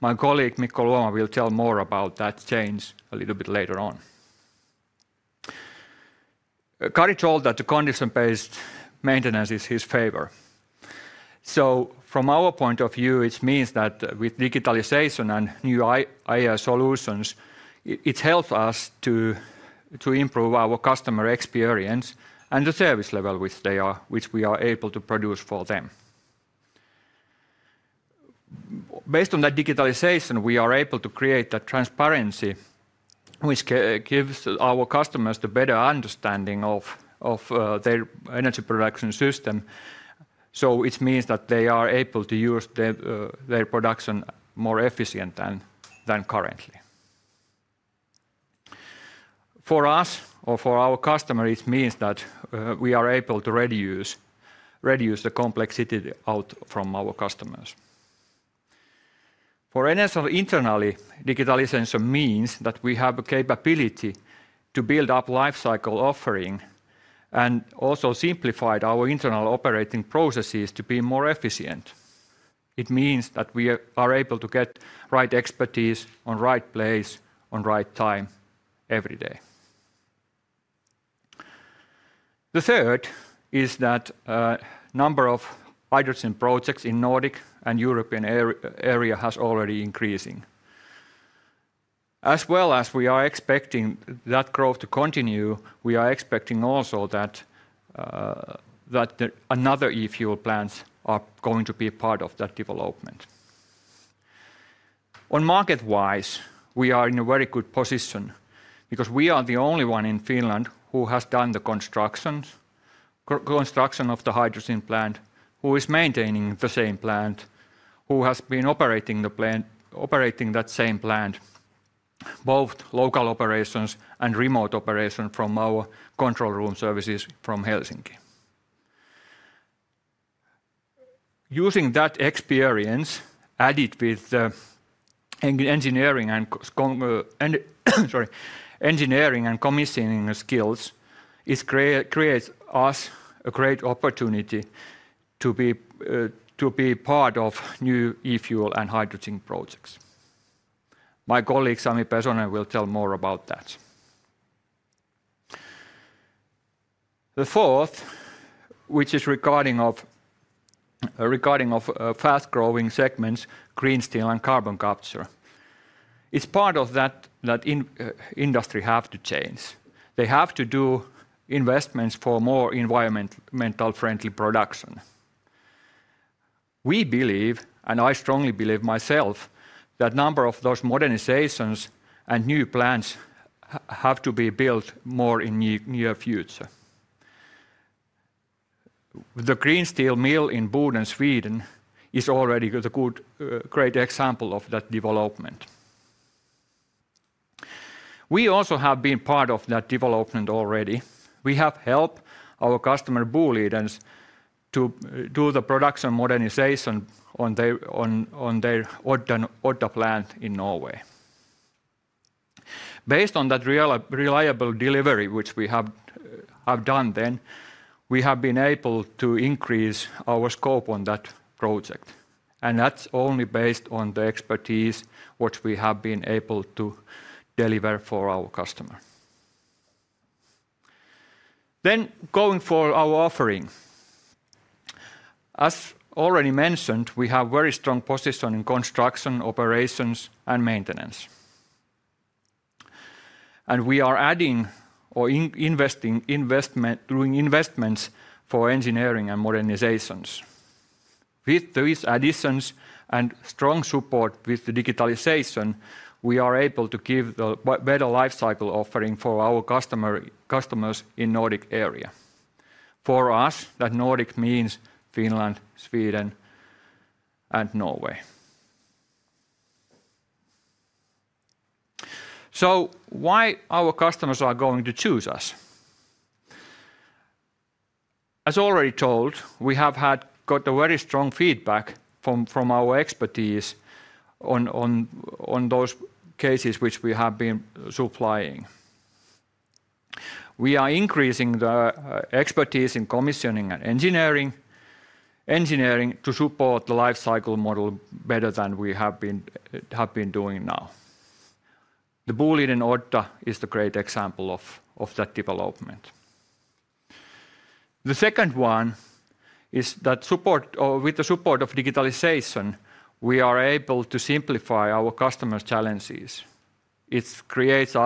My colleague Mikko Luoma will tell more about that change a little bit later on. Kari told that the condition-based maintenance is his favor. From our point of view, it means that with digitalization and new AI solutions, it helps us to improve our customer experience and the service level which we are able to produce for them. Based on that digitalization, we are able to create that transparency, which gives our customers a better understanding of their energy production system. It means that they are able to use their production more efficiently than currently. For us, or for our customers, it means that we are able to reduce the complexity out from our customers. For Enersense, internally, digitalization means that we have a capability to build up life cycle offering and also simplify our internal operating processes to be more efficient. It means that we are able to get the right expertise in the right place at the right time every day. The third is that the number of hydrogen projects in the Nordic and European area has already been increasing. As well as we are expecting that growth to continue, we are expecting also that another E-fuel plants are going to be a part of that development. On market-wise, we are in a very good position because we are the only one in Finland who has done the construction of the hydrogen plant, who is maintaining the same plant, who has been operating that same plant, both local operations and remote operations from our control room services from Helsinki. Using that experience, added with engineering and commissioning skills, creates for us a great opportunity to be part of new E-fuel and hydrogen projects. My colleague Sami Pesonen will tell more about that. The fourth, which is regarding fast-growing segments, green steel and carbon capture, is part of that industry has to change. They have to do investments for more environmentally friendly production. We believe, and I strongly believe myself, that a number of those modernizations and new plants have to be built more in the near future. The green steel mill in Bodø, Sweden, is already a great example of that development. We also have been part of that development already. We have helped our customer, Boliden, to do the production modernization on their Odda plant in Norway. Based on that reliable delivery, which we have done then, we have been able to increase our scope on that project. That is only based on the expertise which we have been able to deliver for our customers. Going for our offering. As already mentioned, we have a very strong position in construction, operations, and maintenance. We are adding or investing through investments for engineering and modernizations. With these additions and strong support with digitalization, we are able to give a better life cycle offering for our customers in the Nordic area. For us, that Nordic means Finland, Sweden, and Norway. Why are our customers going to choose us? As already told, we have got very strong feedback from our expertise on those cases which we have been supplying. We are increasing the expertise in commissioning and engineering to support the life cycle model better than we have been doing now. The Boliden Odda is a great example of that development. The second one is that with the support of digitalization, we are able to simplify our customers' challenges. It creates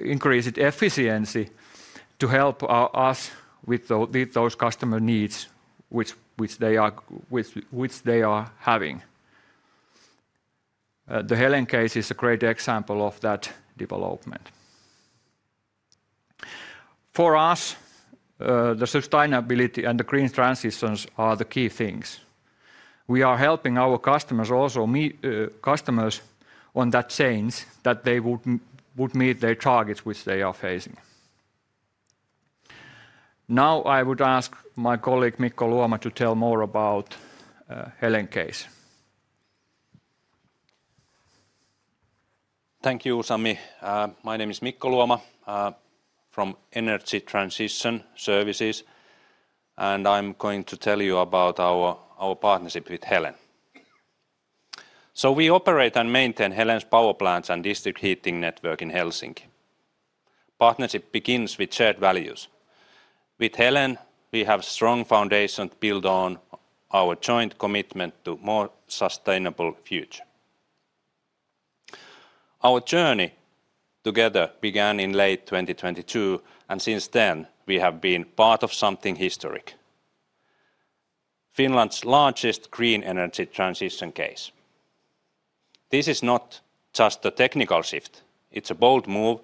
increased efficiency to help us with those customer needs which they are having. The Helen case is a great example of that development. For us, the sustainability and the green transitions are the key things. We are helping our customers on that change that they would meet their targets which they are facing. Now I would ask my colleague Mikko Luoma to tell more about the Helen case. Thank you, Sami. My name is Mikko Luoma from Energy Transition Services, and I'm going to tell you about our partnership with Helen. We operate and maintain Helen's power plants and district heating network in Helsinki. Partnership begins with shared values. With Helen, we have a strong foundation to build on our joint commitment to a more sustainable future. Our journey together began in late 2022, and since then, we have been part of something historic: Finland's largest green energy transition case. This is not just a technical shift; it is a bold move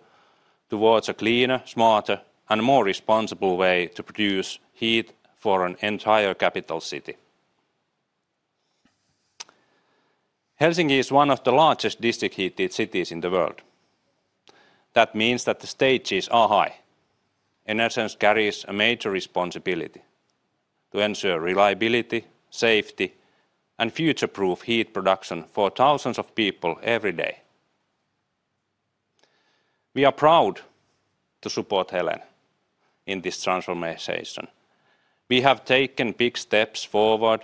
towards a cleaner, smarter, and more responsible way to produce heat for an entire capital city. Helsinki is one of the largest district heating cities in the world. That means that the stakes are high. Enersense carries a major responsibility to ensure reliability, safety, and future-proof heat production for thousands of people every day. We are proud to support Helen in this transformation. We have taken big steps forward,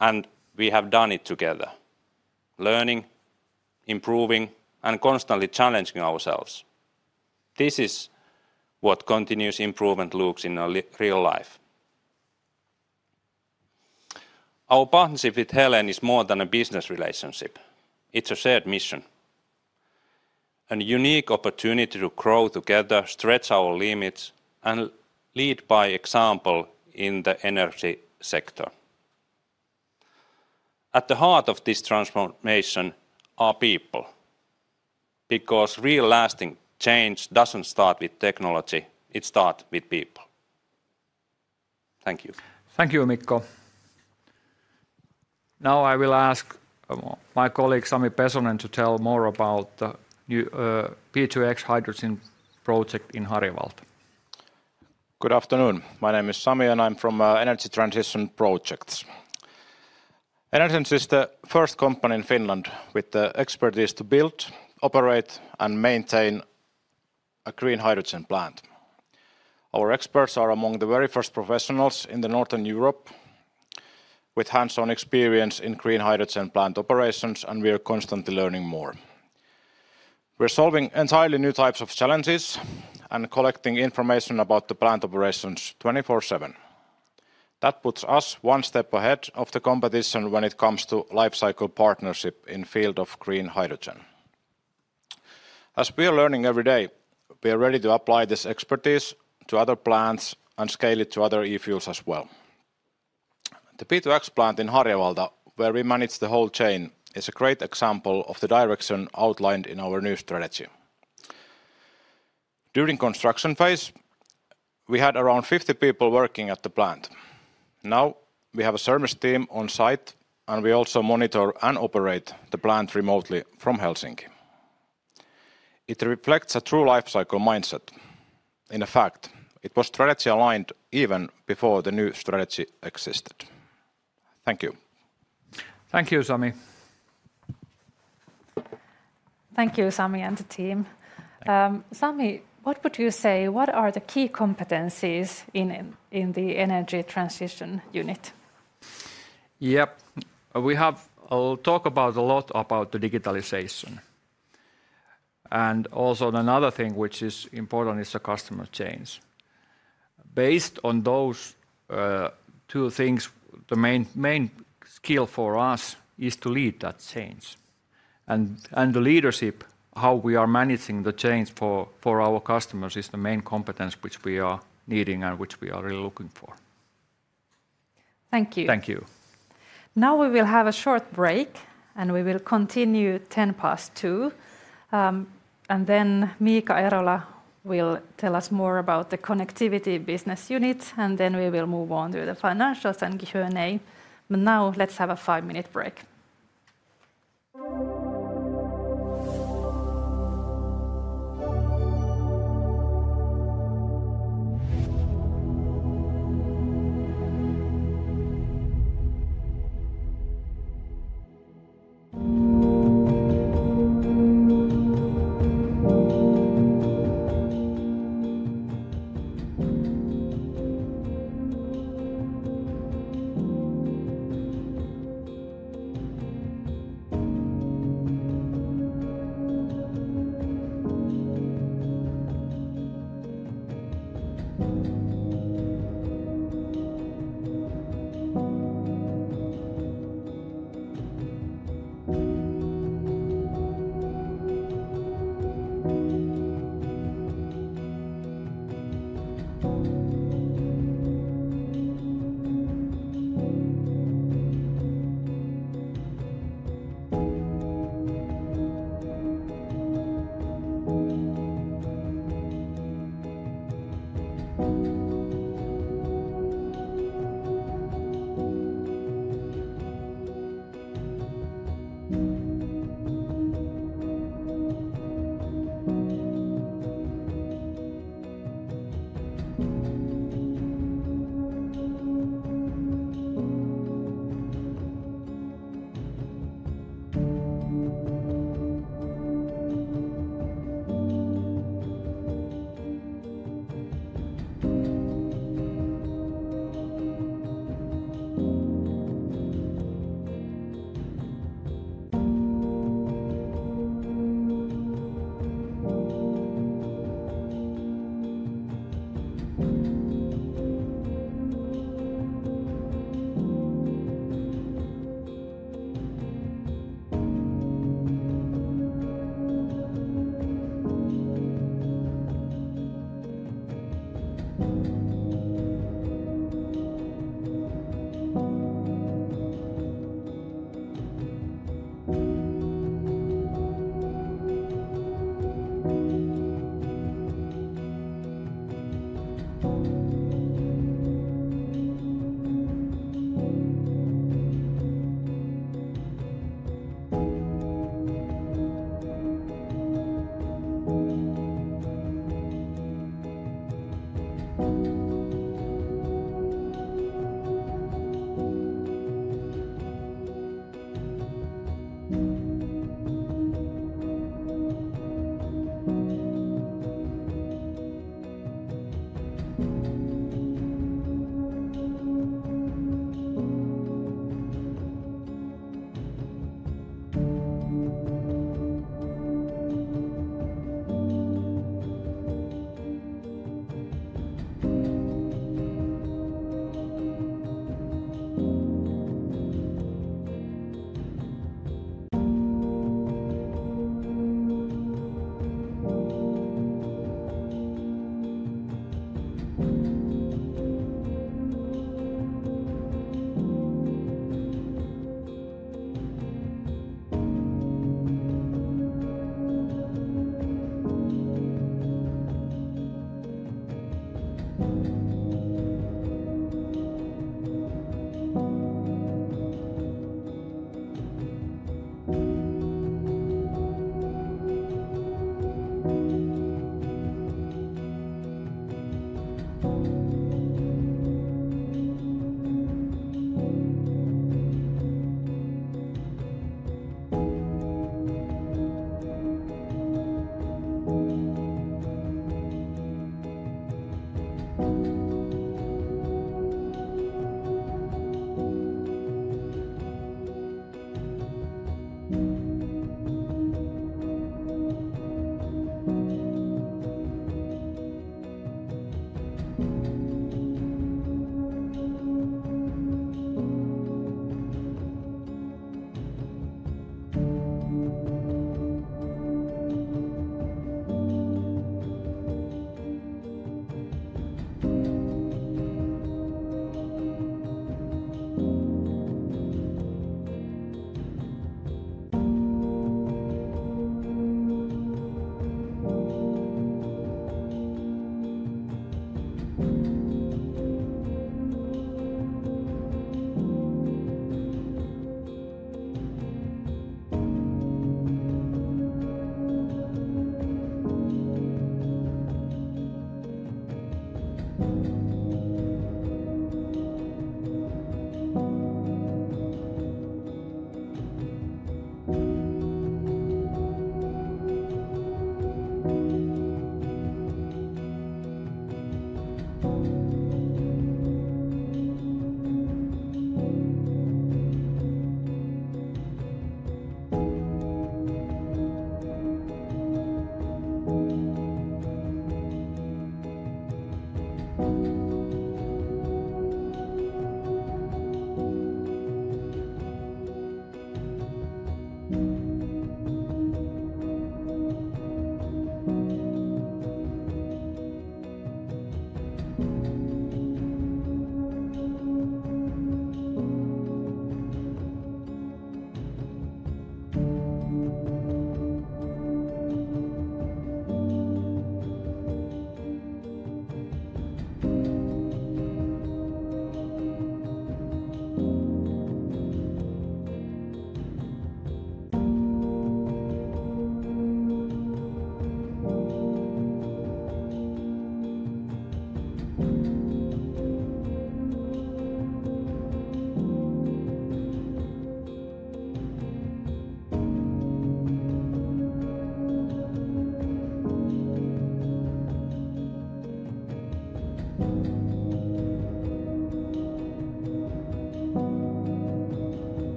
and we have done it together, learning, improving, and constantly challenging ourselves. This is what continuous improvement looks like in real life. Our partnership with Helen is more than a business relationship. It is a shared mission, a unique opportunity to grow together, stretch our limits, and lead by example in the energy sector. At the heart of this transformation are people, because real lasting change does not start with technology; it starts with people. Thank you. Thank you, Mikko. Now I will ask my colleague Sami Pesonen to tell more about the new P2X hydrogen project in Harjavalta. Good afternoon. My name is Sami, and I'm from Energy Transition Projects. Enersense is the first company in Finland with the expertise to build, operate, and maintain a green hydrogen plant. Our experts are among the very first professionals in Northern Europe with hands-on experience in green hydrogen plant operations, and we are constantly learning more. We are solving entirely new types of challenges and collecting information about the plant operations 24/7. That puts us one step ahead of the competition when it comes to life cycle partnership in the field of green hydrogen. As we are learning every day, we are ready to apply this expertise to other plants and scale it to other E-fuels as well. The P2X plant in Harjavalta, where we manage the whole chain, is a great example of the direction outlined in our new strategy. During the construction phase, we had around 50 people working at the plant. Now we have a service team on site, and we also monitor and operate the plant remotely from Helsinki. It reflects a true life cycle mindset. In fact, it was strategy-aligned even before the new strategy existed. Thank you. Thank you, Sami. Thank you, Sami and the team. Sami, what would you say? What are the key competencies in the energy transition unit? Yeah, we have talked a lot about the digitalization. Also, another thing which is important is the customer change. Based on those two things, the main skill for us is to lead that change. The leadership, how we are managing the change for our customers, is the main competence which we are needing and which we are really looking for. Thank you. Thank you. Now we will have a short break, and we will continue at 2:10 P.M. Miika Erola will tell us more about the Connectivity business unit, and then we will move on to the financials and Q&A. Now let's have a five-minute break.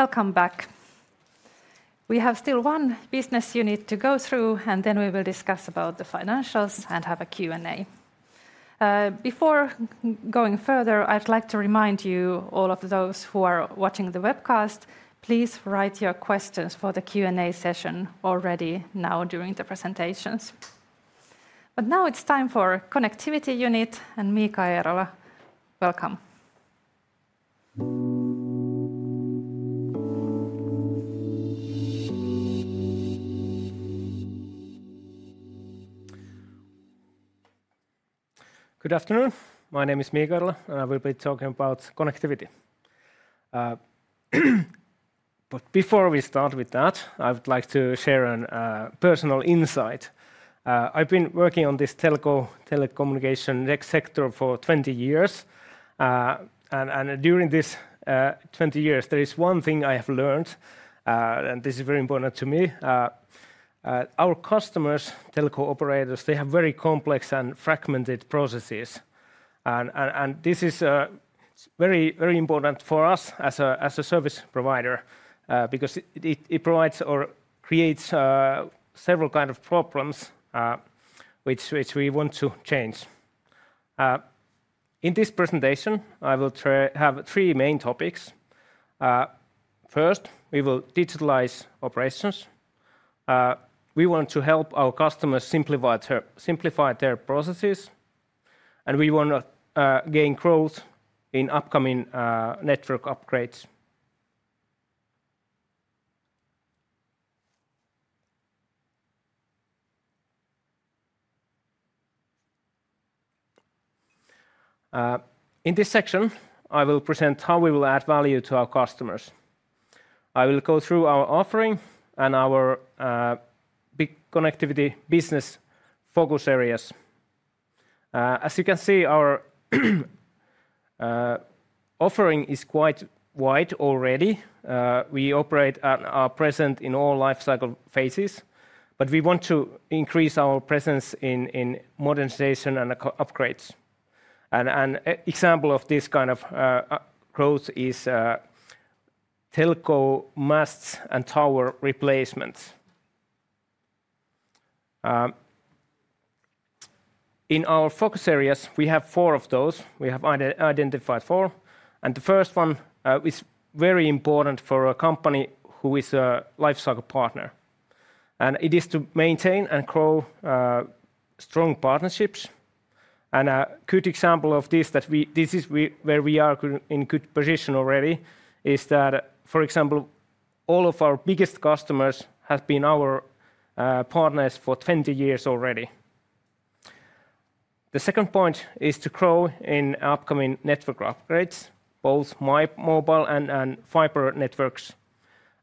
Welcome back. We have still one business unit to go through, and then we will discuss the financials and have a Q&A. Before going further, I'd like to remind you, all of those who are watching the webcast, please write your questions for the Q&A session already now during the presentations. Now it's time for the Connectivity unit, and Miika Erola, welcome. Good afternoon. My name is Miika Erola, and I will be talking about connectivity. Before we start with that, I would like to share a personal insight. I have been working on this telecommunication sector for 20 years. During these 20 years, there is one thing I have learned, and this is very important to me. Our customers, telecom operators, they have very complex and fragmented processes. This is very important for us as a service provider because it provides or creates several kinds of problems which we want to change. In this presentation, I will have three main topics. First, we will digitalize operations. We want to help our customers simplify their processes, and we want to gain growth in upcoming network upgrades. In this section, I will present how we will add value to our customers. I will go through our offering and our big Connectivity business focus areas. As you can see, our offering is quite wide already. We operate and are present in all life cycle phases, but we want to increase our presence in modernization and upgrades. An example of this kind of growth is telco masts and tower replacements. In our focus areas, we have four of those. We have identified four. The first one is very important for a company who is a life cycle partner. It is to maintain and grow strong partnerships. A good example of this, that this is where we are in good position already, is that, for example, all of our biggest customers have been our partners for 20 years already. The second point is to grow in upcoming network upgrades, both mobile and fiber networks.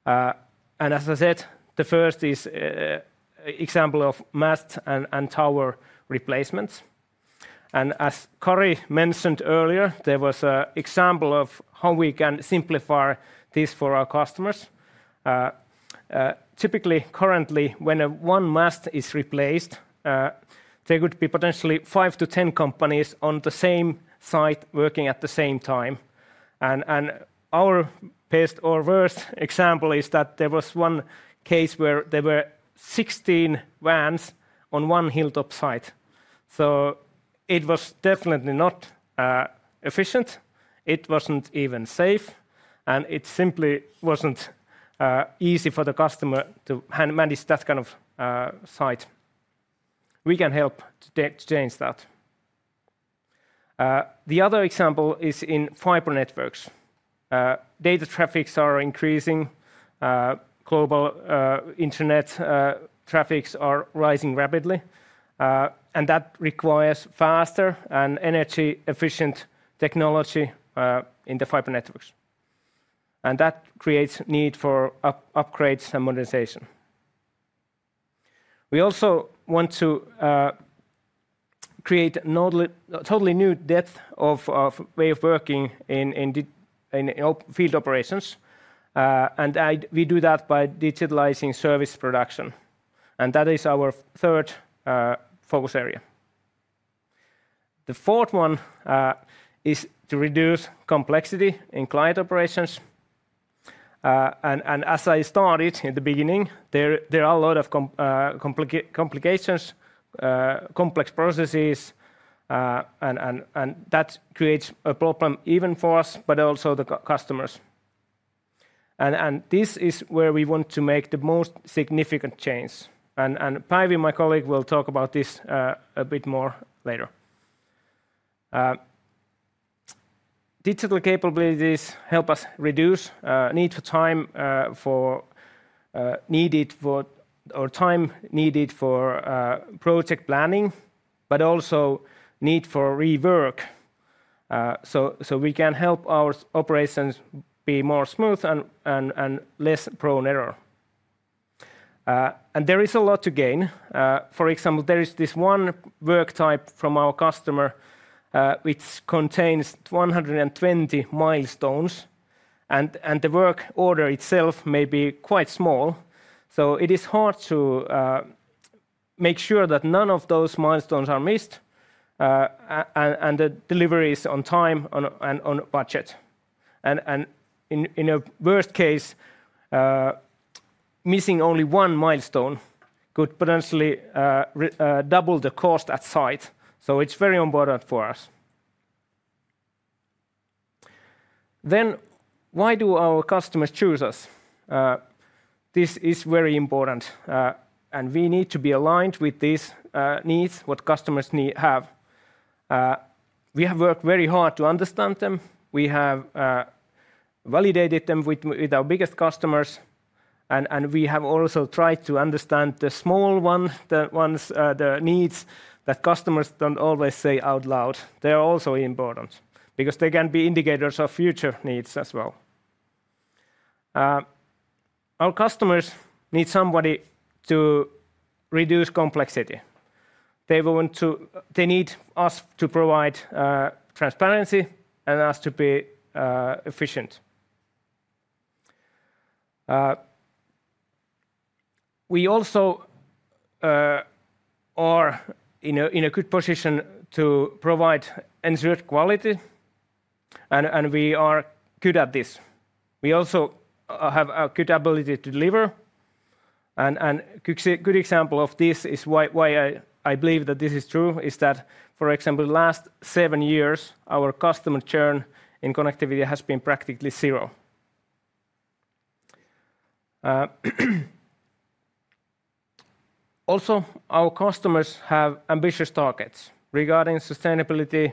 As I said, the first is an example of masts and tower replacements. As Kari mentioned earlier, there was an example of how we can simplify this for our customers. Typically, currently, when one mast is replaced, there could be potentially five to ten companies on the same site working at the same time. Our best or worst example is that there was one case where there were 16 vans on one hilltop site. It was definitely not efficient. It was not even safe. It simply was not easy for the customer to manage that kind of site. We can help to change that. The other example is in fiber networks. Data traffics are increasing. Global internet traffics are rising rapidly. That requires faster and energy-efficient technology in the fiber networks. That creates a need for upgrades and modernization. We also want to create a totally new way of working in field operations. We do that by digitalizing service production. That is our third focus area. The fourth one is to reduce complexity in client operations. As I started in the beginning, there are a lot of complications, complex processes, and that creates a problem even for us, but also the customers. This is where we want to make the most significant change. Päivi, my colleague, will talk about this a bit more later. Digital capabilities help us reduce the need for time needed for project planning, but also the need for rework. We can help our operations be more smooth and less prone to error. There is a lot to gain. For example, there is this one work type from our customer which contains 120 milestones. The work order itself may be quite small. It is hard to make sure that none of those milestones are missed and the delivery is on time and on budget. In a worst case, missing only one milestone could potentially double the cost at site. It is very important for us. Why do our customers choose us? This is very important. We need to be aligned with these needs, what customers have. We have worked very hard to understand them. We have validated them with our biggest customers. We have also tried to understand the small ones, the needs that customers do not always say out loud. They are also important because they can be indicators of future needs as well. Our customers need somebody to reduce complexity. They need us to provide transparency and us to be efficient. We also are in a good position to provide end-to-end quality. We are good at this. We also have a good ability to deliver. A good example of why I believe that this is true is that, for example, the last seven years, our customer churn in Connectivity has been practically zero. Our customers have ambitious targets regarding sustainability,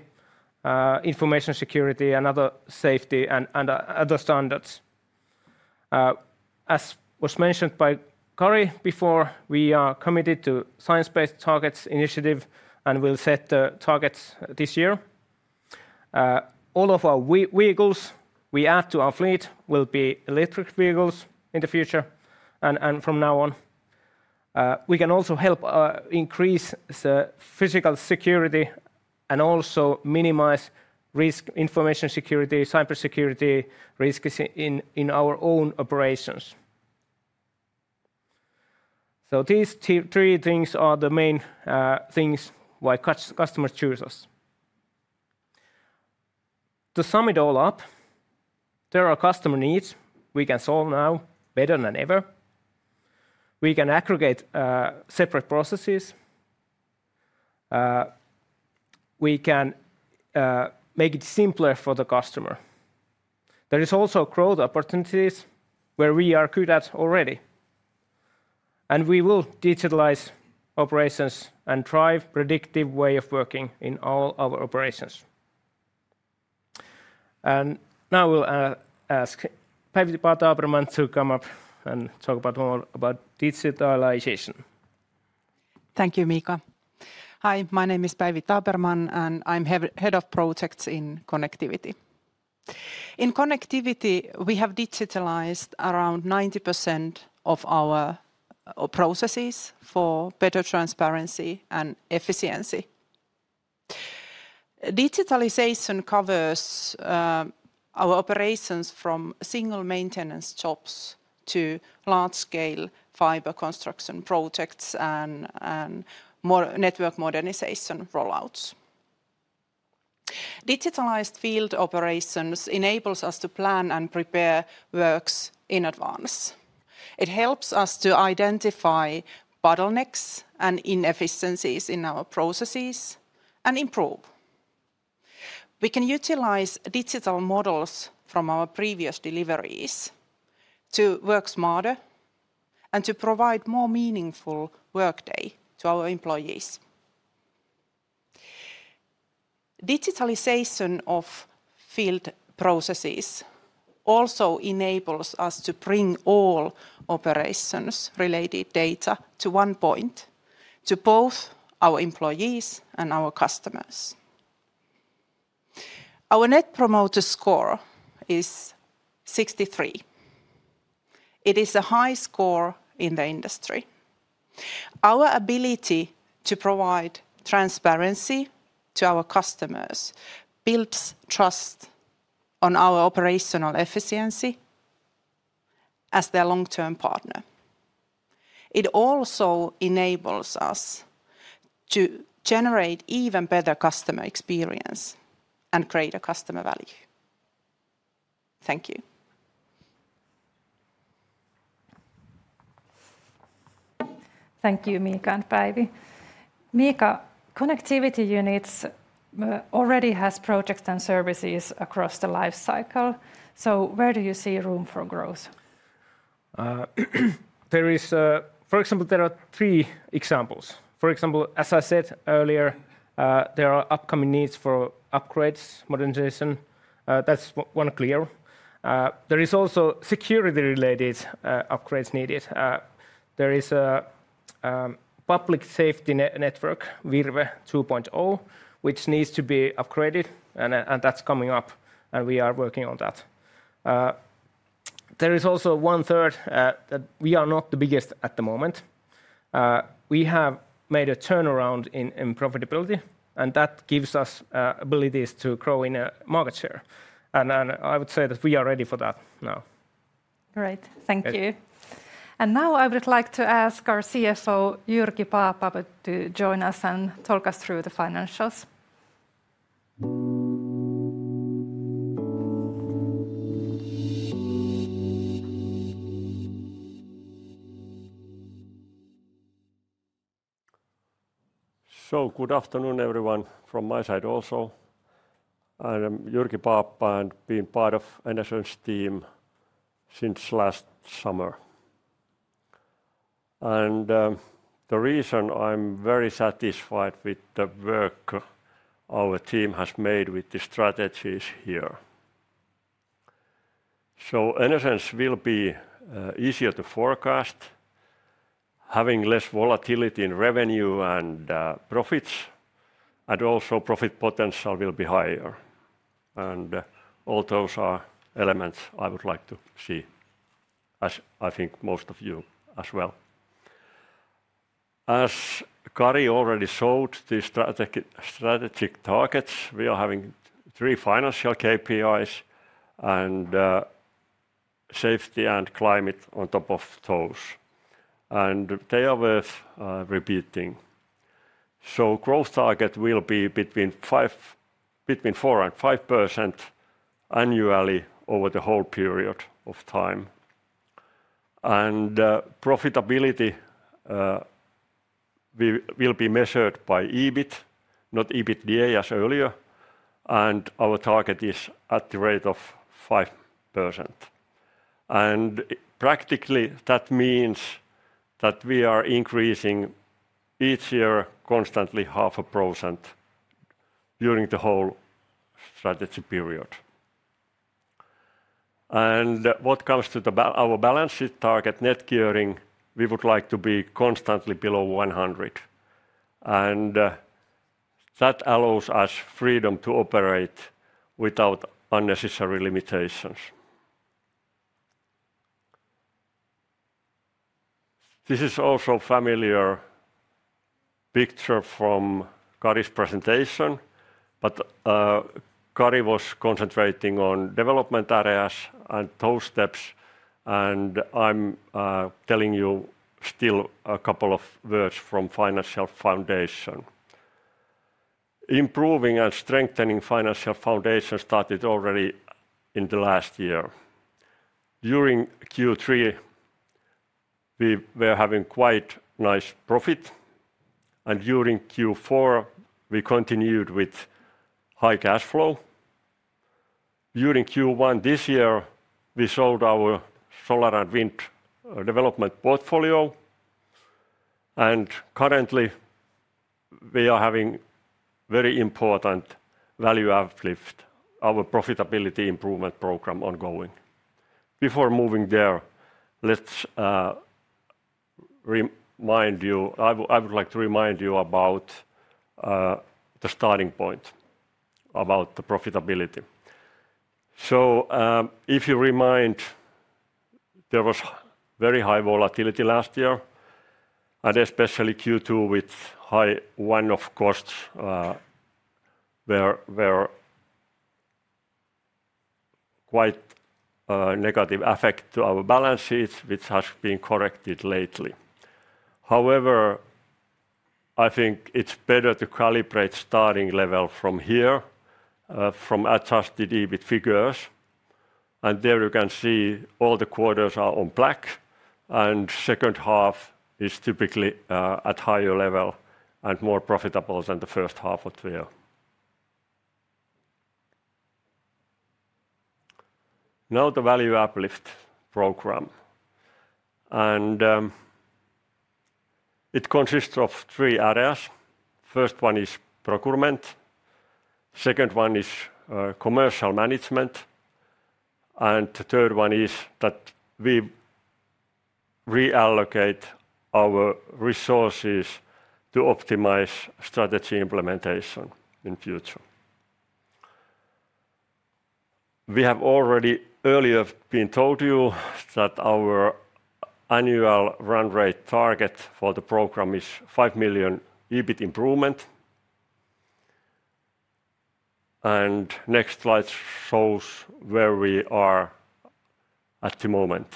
information security, and other safety and other standards. As was mentioned by Kari before, we are committed to a Science-Based Targets Initiative and will set the targets this year. All of our vehicles we add to our fleet will be electric vehicles in the future and from now on. We can also help increase the physical security and also minimize risk, information security, cybersecurity risks in our own operations. These three things are the main things why customers choose us. To sum it all up, there are customer needs we can solve now better than ever. We can aggregate separate processes. We can make it simpler for the customer. There are also growth opportunities where we are good at already. We will digitalize operations and drive a predictive way of working in all our operations. Now I will ask Päivi Taberman to come up and talk a bit more about digitalization. Thank you, Miika. Hi, my name is Päivi Taberman and I'm Head of Projects in Connectivity. In Connectivity, we have digitalized around 90% of our processes for better transparency and efficiency. Digitalization covers our operations from single maintenance jobs to large-scale fiber construction projects and network modernization rollouts. Digitalized field operations enable us to plan and prepare works in advance. It helps us to identify bottlenecks and inefficiencies in our processes and improve. We can utilize digital models from our previous deliveries to work smarter and to provide a more meaningful workday to our employees. Digitalization of field processes also enables us to bring all operations-related data to one point to both our employees and our customers. Our Net Promoter Score is 63. It is a high score in the industry. Our ability to provide transparency to our customers builds trust in our operational efficiency as their long-term partner. It also enables us to generate an even better customer experience and create customer value. Thank you. Thank you, Miika and Päivi. Miika, Connectivity units already have projects and services across the life cycle. Where do you see room for growth? There are, for example, three examples. For example, as I said earlier, there are upcoming needs for upgrades, modernization. That is one clear. There are also security-related upgrades needed. There is a public safety network, Virve 2.0, which needs to be upgraded, and that is coming up, and we are working on that. There is also one third that we are not the biggest at the moment. We have made a turnaround in profitability, and that gives us abilities to grow in market share. I would say that we are ready for that now. Great. Thank you. Now I would like to ask our CFO, Jyrki Paappa, to join us and talk us through the financials. Good afternoon, everyone, from my side also. I am Jyrki Paappa and have been part of the Enersense team since last summer. The reason I am very satisfied with the work our team has made with the strategies here is that Enersense will be easier to forecast, having less volatility in revenue and profits, and also profit potential will be higher. All those are elements I would like to see, as I think most of you as well. As Kari already showed, the strategic targets, we are having three financial KPIs and safety and climate on top of those. They are worth repeating. The growth target will be between 4-5% annually over the whole period of time. Profitability will be measured by EBIT, not EBITDA as earlier. Our target is at the rate of 5%. Practically, that means that we are increasing each year constantly 0.5% during the whole strategy period. What comes to our balance sheet target, net gearing, we would like to be constantly below 100%. That allows us freedom to operate without unnecessary limitations. This is also a familiar picture from Kari's presentation, but Kari was concentrating on development areas and those steps. I'm telling you still a couple of words from the financial foundation. Improving and strengthening the financial foundation started already in the last year. During Q3, we were having quite nice profit. During Q4, we continued with high cash flow. During Q1 this year, we sold our solar and wind development portfolio. Currently, we are having very important value uplift, our profitability improvement program ongoing. Before moving there, let me remind you, I would like to remind you about the starting point about the profitability. If you remember, there was very high volatility last year, and especially Q2 with high one-off costs that were quite negative affecting our balance sheets, which has been corrected lately. However, I think it is better to calibrate the starting level from here, from adjusted EBIT figures. There you can see all the quarters are on black, and the second half is typically at a higher level and more profitable than the first half of the year. Now the value uplift program. It consists of three areas. The first one is procurement. The second one is commercial management. The third one is that we reallocate our resources to optimize strategy implementation in the future. We have already earlier been told to you that our annual run rate target for the program is 5 million EBIT improvement. The next slide shows where we are at the moment.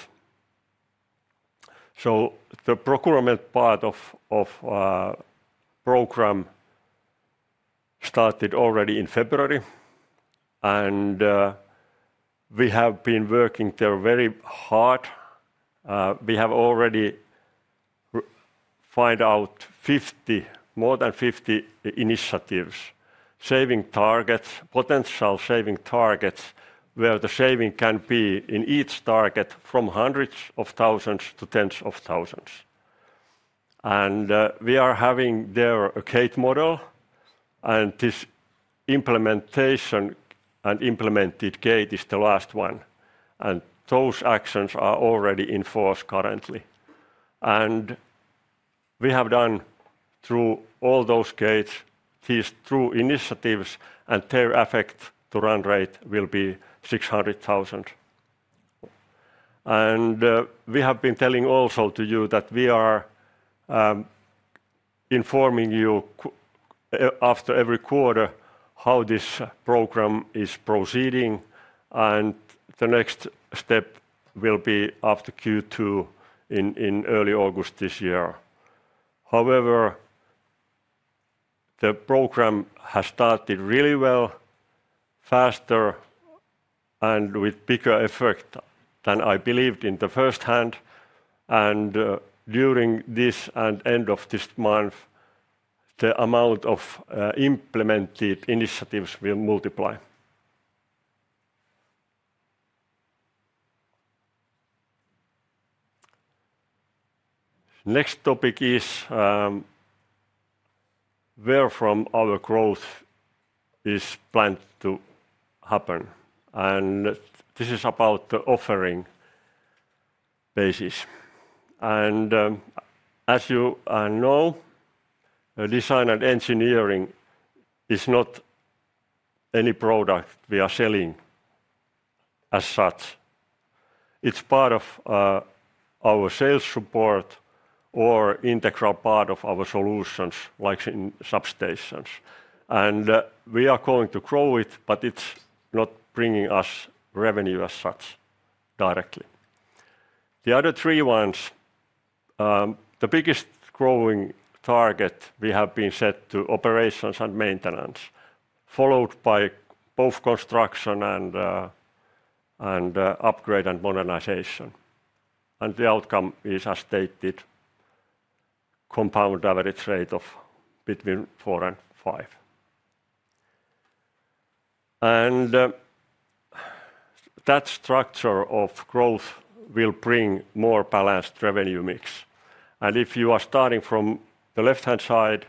The procurement part of the program started already in February. We have been working there very hard. We have already found out more than 50 initiatives, potential saving targets where the saving can be in each target from hundreds of thousands to tens of thousands. We are having there a gate model. This implementation and implemented gate is the last one. Those actions are already in force currently. We have done through all those gates, these two initiatives and their effect to run rate will be 600,000. We have been telling also to you that we are informing you after every quarter how this program is proceeding. The next step will be after Q2 in early August this year. However, the program has started really well, faster, and with bigger effect than I believed in the first hand. During this and end of this month, the amount of implemented initiatives will multiply. The next topic is where from our growth is planned to happen. This is about the offering basis. As you know, design and engineering is not any product we are selling as such. It is part of our sales support or integral part of our solutions, like substations. We are going to grow it, but it is not bringing us revenue as such directly. The other three ones, the biggest growing target we have been set to operations and maintenance, followed by both construction and upgrade and modernization. The outcome is as stated, compound average rate of between 4% and 5%. That structure of growth will bring a more balanced revenue mix. If you are starting from the left-hand side,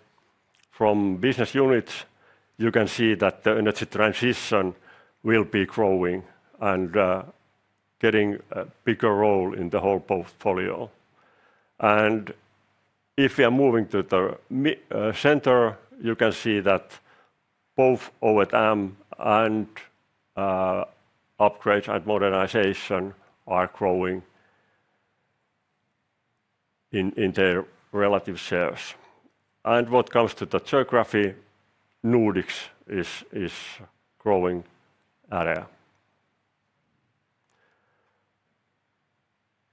from business units, you can see that the energy transition will be growing and getting a bigger role in the whole portfolio. If we are moving to the center, you can see that both O&M and upgrades and modernization are growing in their relative shares. What comes to the geography, Nordics is a growing area.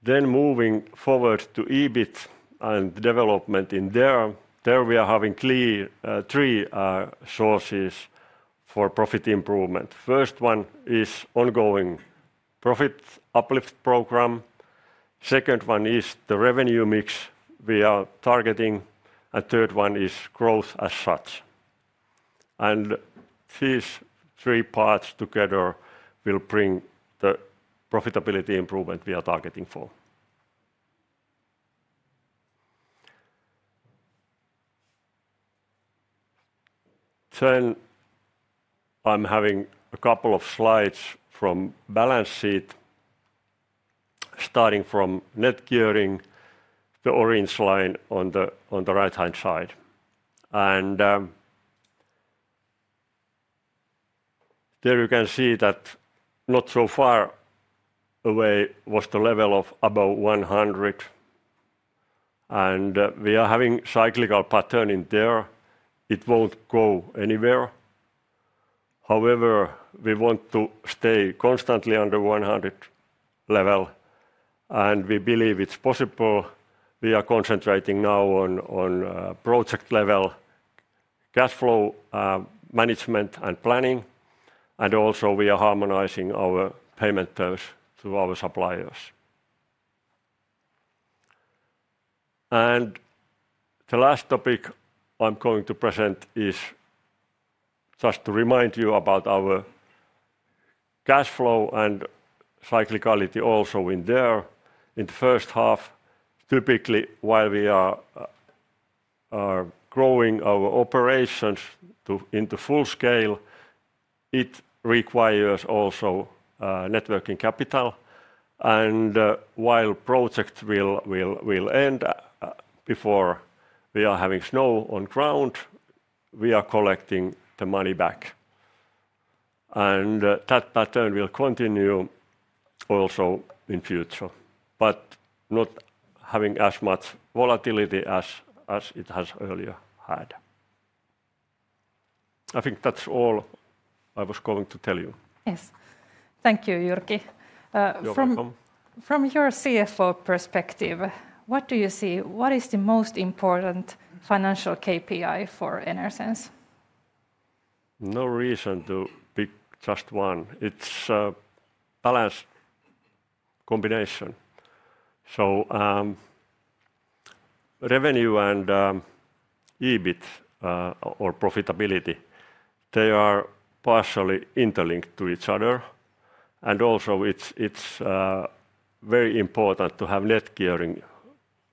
Moving forward to EBIT and development in there, we are having three sources for profit improvement. The first one is ongoing profit uplift program. The second one is the revenue mix we are targeting. The third one is growth as such. These three parts together will bring the profitability improvement we are targeting for. I am having a couple of slides from the balance sheet, starting from net gearing, the orange line on the right-hand side. There you can see that not so far away was the level of above 100. We are having a cyclical pattern in there. It will not go anywhere. However, we want to stay constantly under 100 level. We believe it is possible. We are concentrating now on project level cash flow management and planning. We are also harmonizing our payment terms to our suppliers. The last topic I am going to present is just to remind you about our cash flow and cyclicality also in there. In the first half, typically while we are growing our operations into full scale, it requires also networking capital. While projects will end before we are having snow on ground, we are collecting the money back. That pattern will continue also in the future, not having as much volatility as it has earlier had. I think that's all I was going to tell you. Yes. Thank you, Jyrki. From your CFO perspective, what do you see? What is the most important financial KPI for Enersense? No reason to pick just one. It's a balance combination. Revenue and EBIT or profitability, they are partially interlinked to each other. It's very important to have net gearing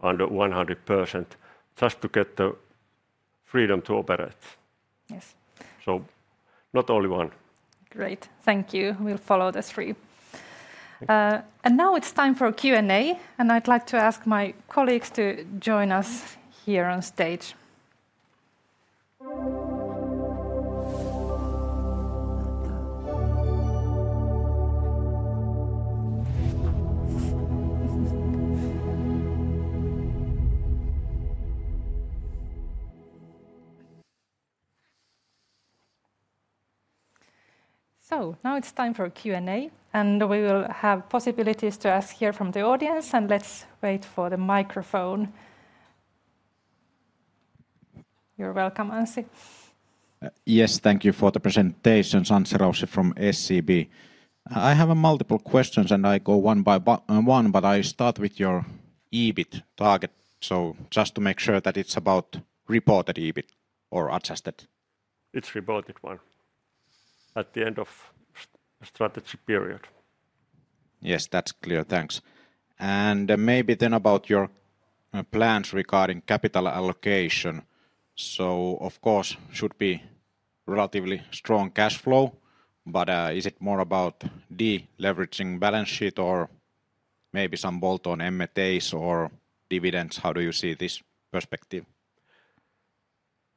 under 100% just to get the freedom to operate. Yes. Not only one. Great. Thank you. We will follow the three. Now it is time for Q&A. I would like to ask my colleagues to join us here on stage. Now it is time for Q&A. We will have possibilities to ask here from the audience. Let's wait for the microphone. You are welcome, Anssi. Yes, thank you for the presentation, Anssi Raussi from SEB. I have multiple questions, and I go one by one, but I start with your EBIT target. Just to make sure that it's about reported EBIT or adjusted. It's reported one at the end of the strategy period. Yes, that's clear. Thanks. Maybe then about your plans regarding capital allocation. Of course, it should be relatively strong cash flow, but is it more about deleveraging balance sheet or maybe some bolt-on M&As or dividends? How do you see this perspective?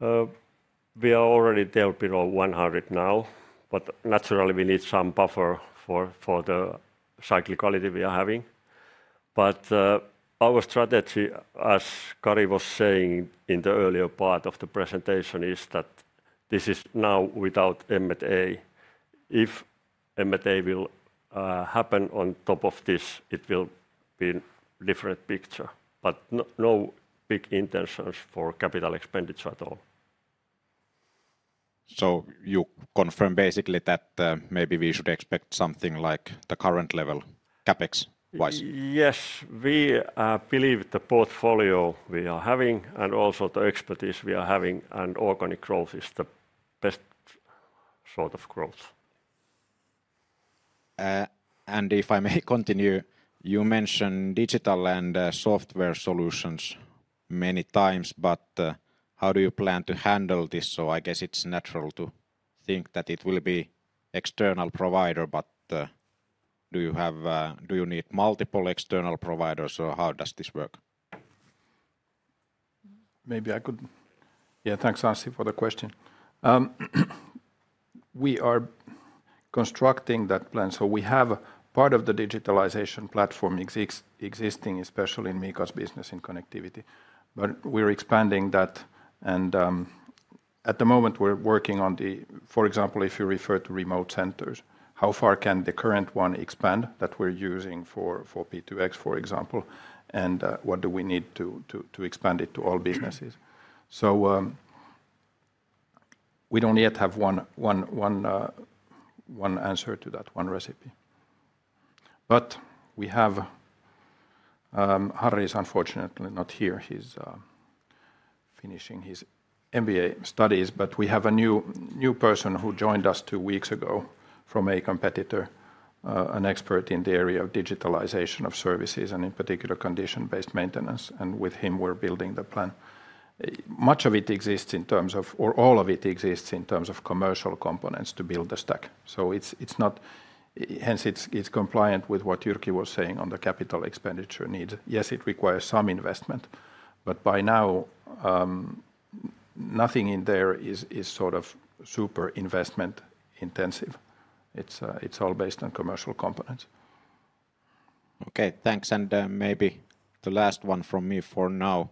We are already delve below 100 now, but naturally we need some buffer for the cyclicality we are having. Our strategy, as Kari was saying in the earlier part of the presentation, is that this is now without M&A. If M&A will happen on top of this, it will be a different picture. No big intentions for capital expenditure at all. You confirm basically that maybe we should expect something like the current level, CapEx-wise? Yes, we believe the portfolio we are having and also the expertise we are having and organic growth is the best sort of growth. If I may continue, you mentioned digital and software solutions many times, but how do you plan to handle this? I guess it's natural to think that it will be an external provider, but do you need multiple external providers or how does this work? Maybe I could, yeah, thanks, Anssi, for the question. We are constructing that plan. We have part of the digitalization platform existing, especially in Miika's business in Connectivity. We are expanding that. At the moment, we are working on the, for example, if you refer to remote centers, how far can the current one expand that we are using for P2X, for example, and what do we need to expand it to all businesses? We do not yet have one answer to that, one recipe. We have, Harry is unfortunately not here. He is finishing his MBA studies, but we have a new person who joined us two weeks ago from a competitor, an expert in the area of digitalization of services and in particular condition-based maintenance. With him, we are building the plan. Much of it exists in terms of, or all of it exists in terms of commercial components to build the stack. It is not, hence it is compliant with what Jyrki was saying on the capital expenditure needs. Yes, it requires some investment, but by now, nothing in there is sort of super investment intensive. It is all based on commercial components. Okay, thanks. Maybe the last one from me for now.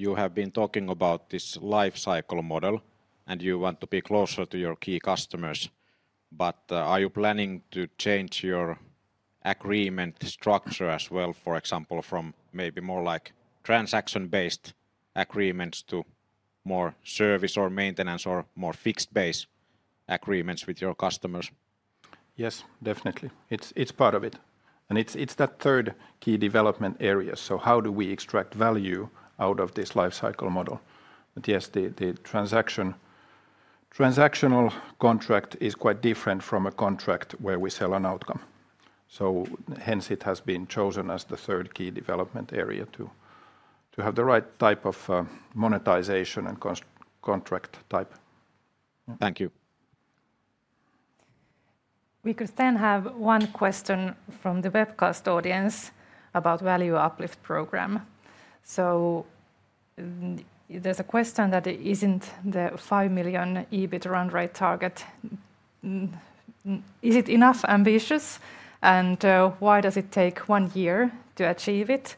You have been talking about this life cycle model and you want to be closer to your key customers. Are you planning to change your agreement structure as well, for example, from maybe more like transaction-based agreements to more service or maintenance or more fixed-based agreements with your customers? Yes, definitely. It's part of it. It's that third key development area. How do we extract value out of this life cycle model? Yes, the transactional contract is quite different from a contract where we sell an outcome. Hence, it has been chosen as the third key development area to have the right type of monetization and contract type. Thank you. We could then have one question from the webcast audience about the value uplift program. There is a question that is the 5 million EBIT run rate target. Is it ambitious enough? Why does it take one year to achieve it?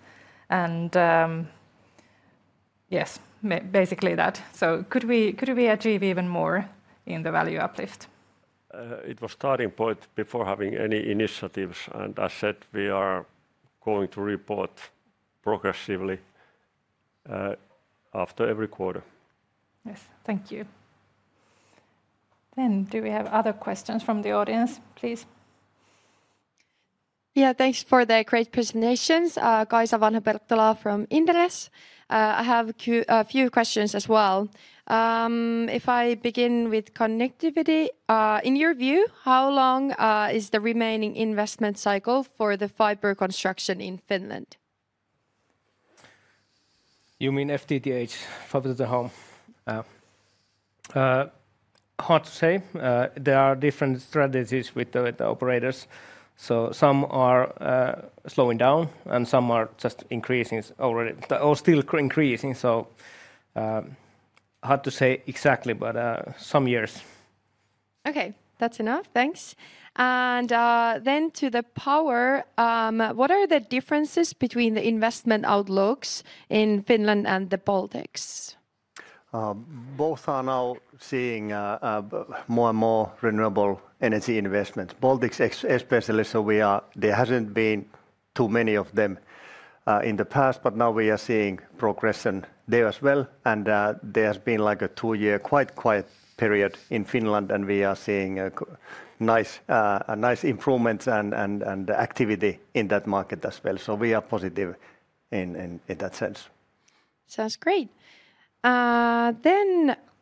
Yes, basically that. Could we achieve even more in the value uplift? It was a starting point before having any initiatives. I said we are going to report progressively after every quarter. Yes, thank you. Do we have other questions from the audience, please? Yeah, thanks for the great presentations. Kaisa Vanha-Perttula from Inderes. I have a few questions as well. If I begin with Connectivity, in your view, how long is the remaining investment cycle for the fiber construction in Finland? You mean FTTH, Fiber to the Home? Hard to say. There are different strategies with the operators. Some are slowing down and some are just increasing already, or still increasing. Hard to say exactly, but some years. Okay, that's enough. Thanks. Then to the power, what are the differences between the investment outlooks in Finland and the Baltics? Both are now seeing more and more renewable energy investments. Baltics especially, so there has not been too many of them in the past, but now we are seeing progression there as well. There has been like a two-year quite quiet period in Finland, and we are seeing a nice improvement and activity in that market as well. We are positive in that sense. Sounds great. I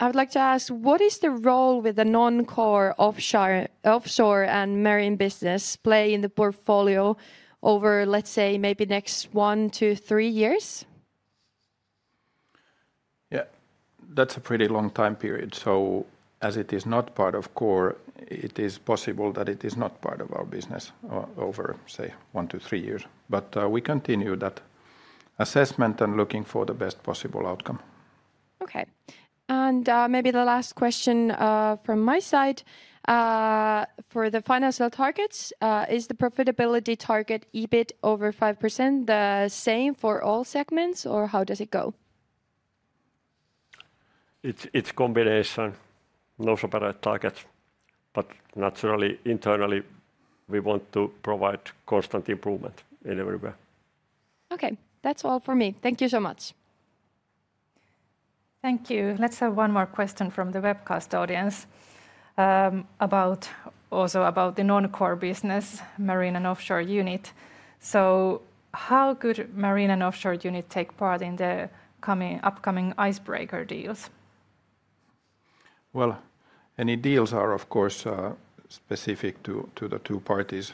would like to ask, what is the role with the non-core offshore and marine business play in the portfolio over, let's say, maybe next one, two, three years? Yeah, that's a pretty long time period. As it is not part of core, it is possible that it is not part of our business over, say, one, two, three years. We continue that assessment and looking for the best possible outcome. Okay. Maybe the last question from my side. For the financial targets, is the profitability target EBIT over 5% the same for all segments, or how does it go? It's a combination, no separate target. Naturally, internally, we want to provide constant improvement in everywhere. Okay, that's all for me. Thank you so much. Thank you. Let's have one more question from the webcast audience about also the non-core business, marine and offshore unit. How could marine and offshore unit take part in the upcoming icebreaker deals? Any deals are, of course, specific to the two parties.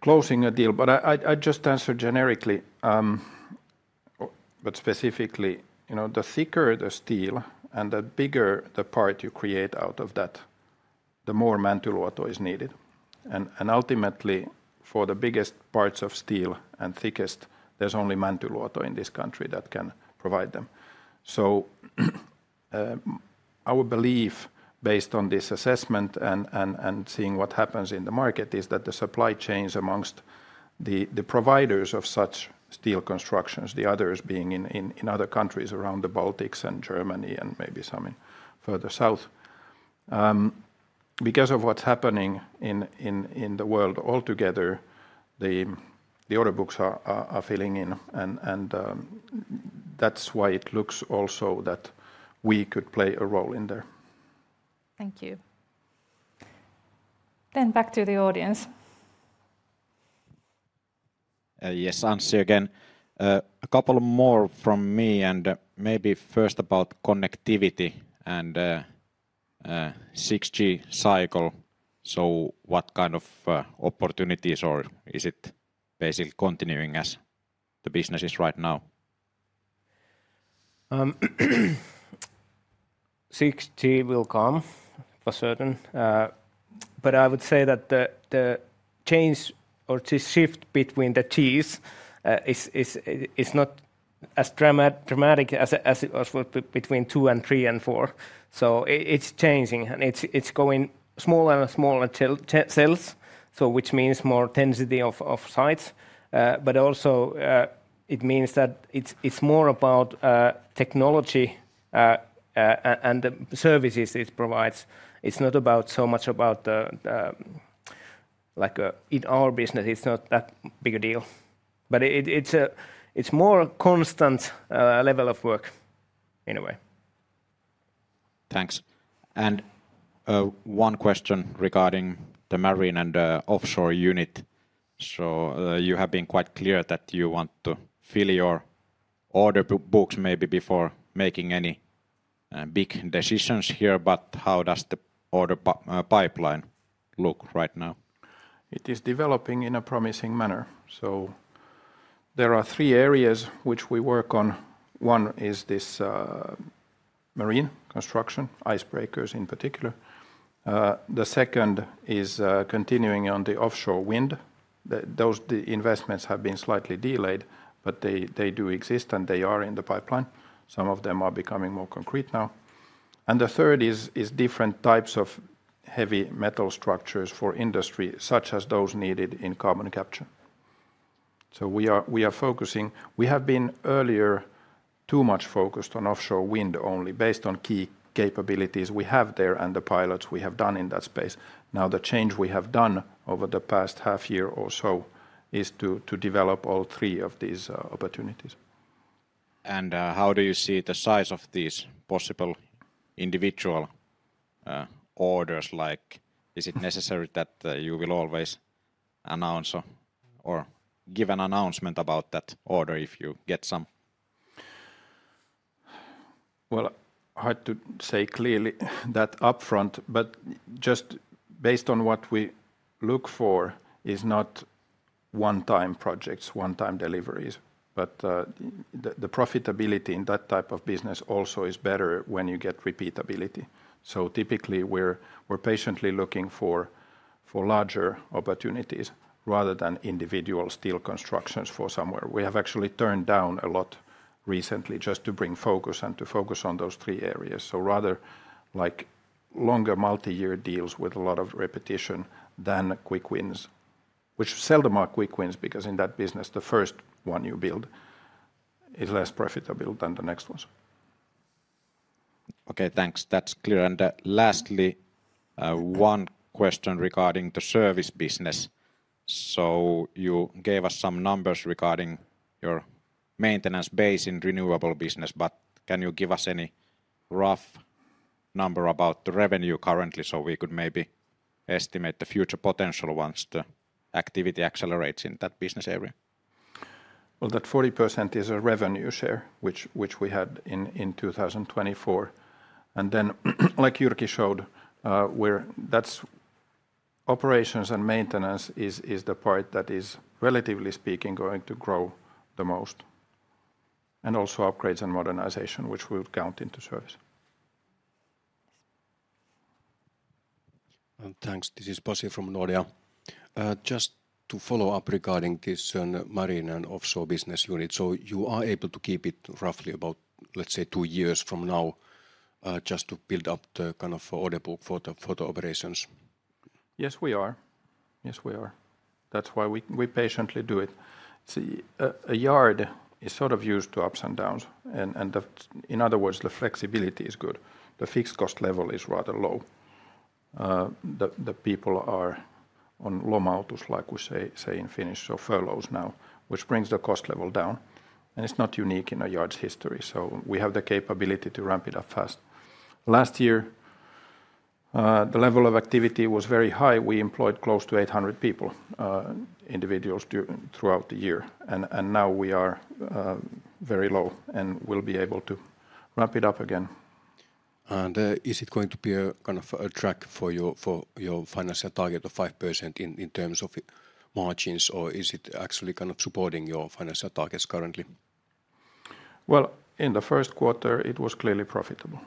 Closing a deal, but I just answered generically, but specifically, the thicker the steel and the bigger the part you create out of that, the more Mäntyluoto is needed. Ultimately, for the biggest parts of steel and thickest, there is only Mäntyluoto in this country that can provide them. Our belief, based on this assessment and seeing what happens in the market, is that the supply chains amongst the providers of such steel constructions, the others being in other countries around the Baltics and Germany and maybe some further south, because of what is happening in the world altogether, the order books are filling in. That is why it looks also that we could play a role in there. Thank you. Back to the audience. Yes, Anssi again. A couple more from me. Maybe first about Connectivity and 6G cycle. What kind of opportunities or is it basically continuing as the business is right now? 6G will come for certain. I would say that the change or the shift between the T's is not as dramatic as between two and three and four. It is changing. It is going to smaller and smaller cells, which means more density of sites. It also means that it is more about technology and the services it provides. It is not so much about, like in our business, it is not that big a deal. It is more a constant level of work in a way. Thanks. One question regarding the marine and the offshore unit. You have been quite clear that you want to fill your order books maybe before making any big decisions here. How does the order pipeline look right now? It is developing in a promising manner. There are three areas which we work on. One is this marine construction, icebreakers in particular. The second is continuing on the offshore wind. Those investments have been slightly delayed, but they do exist and they are in the pipeline. Some of them are becoming more concrete now. The third is different types of heavy metal structures for industry, such as those needed in carbon capture. We are focusing. We have been earlier too much focused on offshore wind only based on key capabilities we have there and the pilots we have done in that space. Now the change we have done over the past half year or so is to develop all three of these opportunities. How do you see the size of these possible individual orders? Is it necessary that you will always announce or give an announcement about that order if you get some? is hard to say clearly that upfront, but just based on what we look for is not one-time projects, one-time deliveries. The profitability in that type of business also is better when you get repeatability. Typically, we are patiently looking for larger opportunities rather than individual steel constructions for somewhere. We have actually turned down a lot recently just to bring focus and to focus on those three areas. We would rather have longer multi-year deals with a lot of repetition than quick wins, which seldom are quick wins because in that business, the first one you build is less profitable than the next ones. Okay, thanks. That is clear. Lastly, one question regarding the service business. You gave us some numbers regarding your maintenance base in renewable business, but can you give us any rough number about the revenue currently so we could maybe estimate the future potential once the activity accelerates in that business area? That 40% is a revenue share which we had in 2024. Like Jyrki showed, operations and maintenance is the part that is relatively speaking going to grow the most. Also, upgrades and modernization, which will count into service. Thanks. This is Pasi from Nordea. Just to follow up regarding this marine and offshore business unit. You are able to keep it roughly about, let's say, two years from now just to build up the kind of order book for the operations? Yes, we are. That's why we patiently do it. A yard is sort of used to ups and downs. In other words, the flexibility is good. The fixed cost level is rather low. The people are on lomautus, like we say in Finnish, so furloughs now, which brings the cost level down. It's not unique in a yard's history. We have the capability to ramp it up fast. Last year, the level of activity was very high. We employed close to 800 people, individuals throughout the year. Now we are very low and will be able to ramp it up again. Is it going to be a kind of a track for your financial target of 5% in terms of margins, or is it actually kind of supporting your financial targets currently? In the first quarter, it was clearly profitable.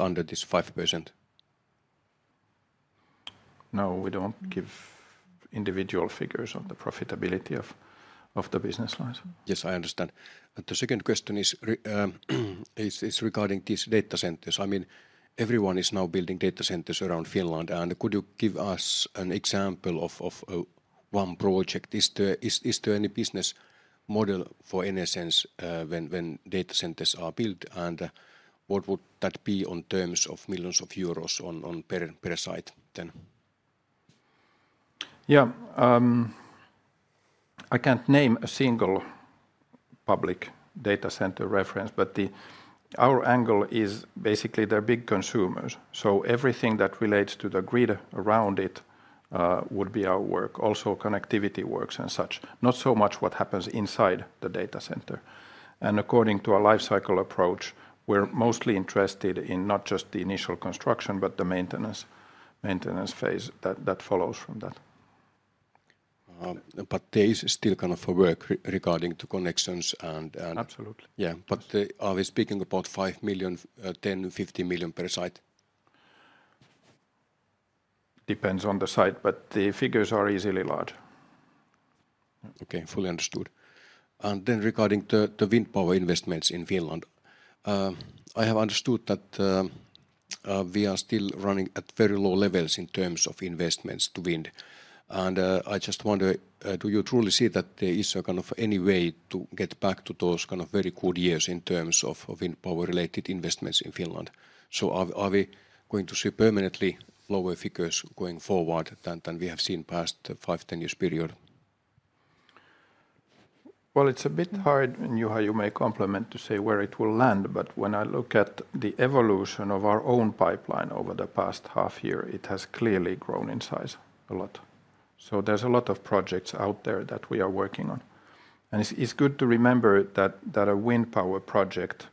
Under this 5%? No, we don't give individual figures of the profitability of the business lines. Yes, I understand. The second question is regarding these data centers. I mean, everyone is now building data centers around Finland. Could you give us an example of one project? Is there any business model for, in essence, when data centers are built? What would that be in terms of millions of EUR per site then? Yeah. I can't name a single public data center reference, but our angle is basically they're big consumers. Everything that relates to the grid around it would be our work. Also connectivity works and such. Not so much what happens inside the data center. According to our life cycle approach, we're mostly interested in not just the initial construction, but the maintenance phase that follows from that. There is still kind of a work regarding the connections and. Absolutely. Are we speaking about 5 million, 10 million, 50 million per site? Depends on the site, but the figures are easily large. Okay, fully understood. Then regarding the wind power investments in Finland, I have understood that we are still running at very low levels in terms of investments to wind. I just wonder, do you truly see that there is a kind of any way to get back to those kind of very good years in terms of wind power related investments in Finland? Are we going to see permanently lower figures going forward than we have seen past the five-10 years period? It is a bit hard and you may complement to say where it will land, but when I look at the evolution of our own pipeline over the past half year, it has clearly grown in size a lot. There are a lot of projects out there that we are working on. It is good to remember that a wind power project,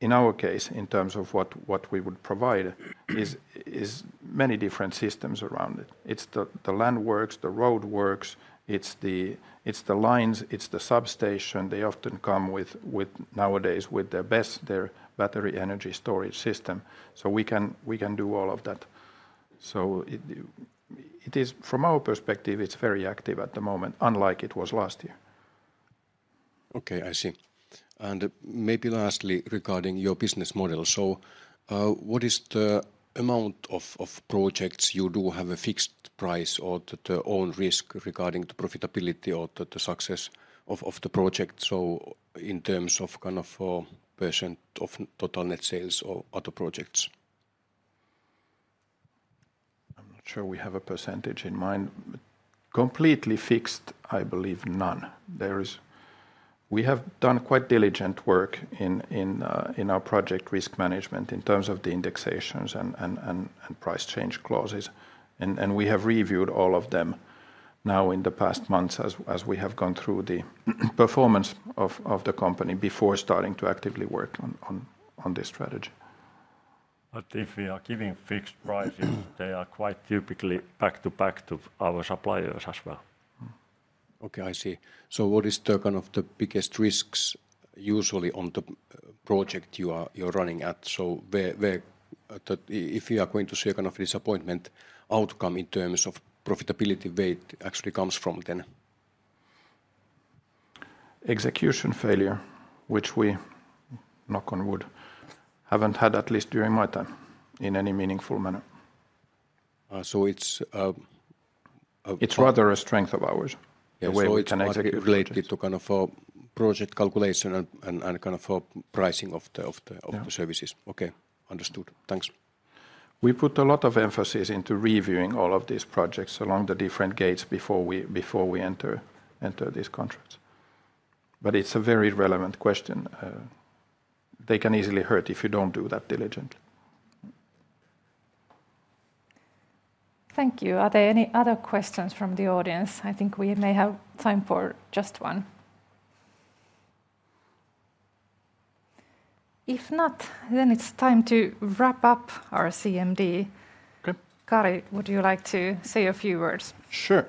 in our case, in terms of what we would provide, is many different systems around it. It is the landworks, the roadworks, it is the lines, it is the substation. They often come nowadays with their BESS, their battery energy storage system. We can do all of that. From our perspective, it is very active at the moment, unlike it was last year. Okay, I see. Maybe lastly regarding your business model. What is the amount of projects you do have a fixed price or the own risk regarding the profitability or the success of the project? In terms of kind of % of total net sales or other projects? I'm not sure we have a percentage in mind. Completely fixed, I believe none. We have done quite diligent work in our project risk management in terms of the indexations and price change clauses. We have reviewed all of them now in the past months as we have gone through the performance of the company before starting to actively work on this strategy. If we are giving fixed prices, they are quite typically back to back to our suppliers as well. Okay, I see. What is the kind of the biggest risks usually on the project you are running at? If you are going to see a kind of disappointment outcome in terms of profitability, where actually comes from then? Execution failure, which we, knock on wood, haven't had at least during my time in any meaningful manner. So it's. It's rather a strength of ours. Yeah, so it's related to kind of a project calculation and kind of pricing of the services. Okay, understood. Thanks. We put a lot of emphasis into reviewing all of these projects along the different gates before we enter these contracts. It is a very relevant question. They can easily hurt if you do not do that diligently. Thank you. Are there any other questions from the audience? I think we may have time for just one. If not, then it's time to wrap up our CMD. Kari, would you like to say a few words? Sure.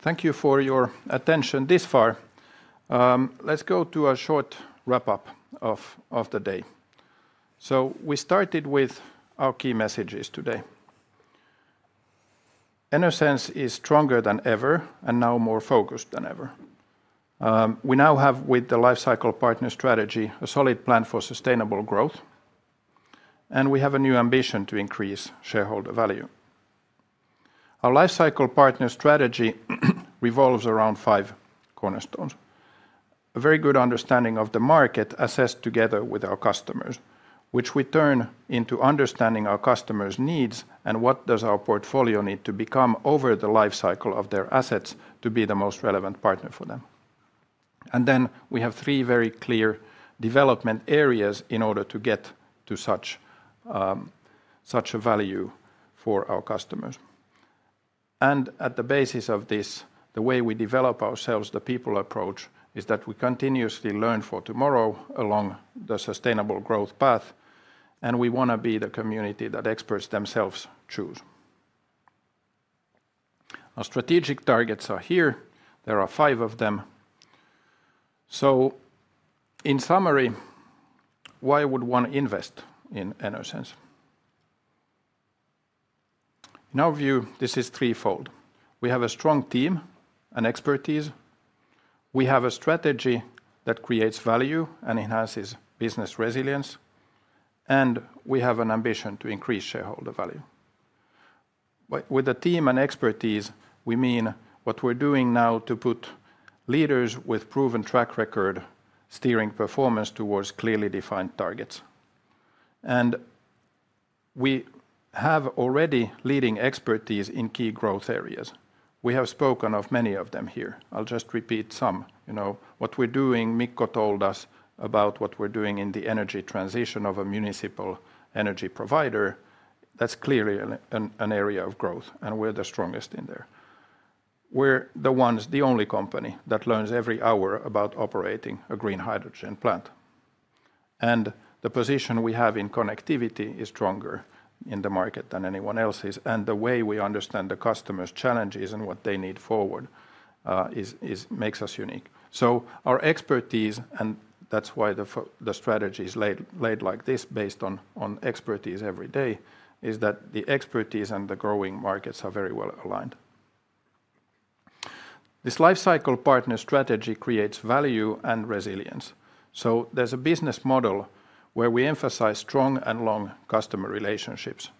Thank you for your attention this far. Let's go to a short wrap-up of the day. We started with our key messages today. Enersense is stronger than ever and now more focused than ever. We now have, with the life cycle partner strategy, a solid plan for sustainable growth. We have a new ambition to increase shareholder value. Our life cycle partner strategy revolves around five cornerstones. A very good understanding of the market assessed together with our customers, which we turn into understanding our customers' needs and what does our portfolio need to become over the life cycle of their assets to be the most relevant partner for them. We have three very clear development areas in order to get to such a value for our customers. At the basis of this, the way we develop ourselves, the people approach, is that we continuously learn for tomorrow along the sustainable growth path. We want to be the community that experts themselves choose. Our strategic targets are here. There are five of them. In summary, why would one invest in Enersense? In our view, this is threefold. We have a strong team and expertise. We have a strategy that creates value and enhances business resilience. We have an ambition to increase shareholder value. With a team and expertise, we mean what we're doing now to put leaders with proven track record steering performance towards clearly defined targets. We have already leading expertise in key growth areas. We have spoken of many of them here. I'll just repeat some. What we're doing, Mikko told us about what we're doing in the energy transition of a municipal energy provider. That's clearly an area of growth. We're the strongest in there. We're the only company that learns every hour about operating a green hydrogen plant. The position we have in connectivity is stronger in the market than anyone else's. The way we understand the customer's challenges and what they need forward makes us unique. Our expertise, and that's why the strategy is laid like this based on expertise every day, is that the expertise and the growing markets are very well aligned. This life cycle partner strategy creates value and resilience. There's a business model where we emphasize strong and long customer relationships.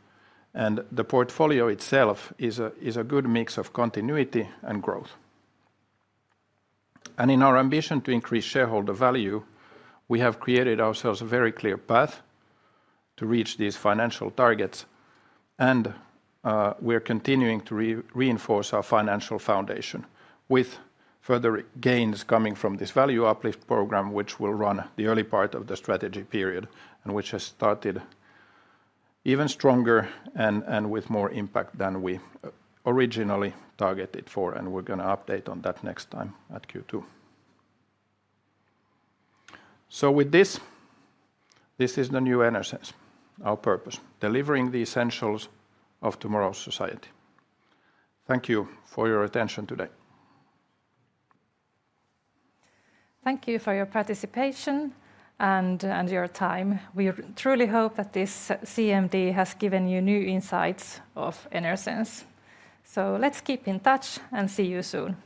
The portfolio itself is a good mix of continuity and growth. In our ambition to increase shareholder value, we have created ourselves a very clear path to reach these financial targets. We are continuing to reinforce our financial foundation with further gains coming from this value uplift program, which will run the early part of the strategy period and which has started even stronger and with more impact than we originally targeted for. We are going to update on that next time at Q2. This is the new Enersense, our purpose, delivering the essentials of tomorrow's society. Thank you for your attention today. Thank you for your participation and your time. We truly hope that this CMD has given you new insights of Enersense. Let's keep in touch and see you soon.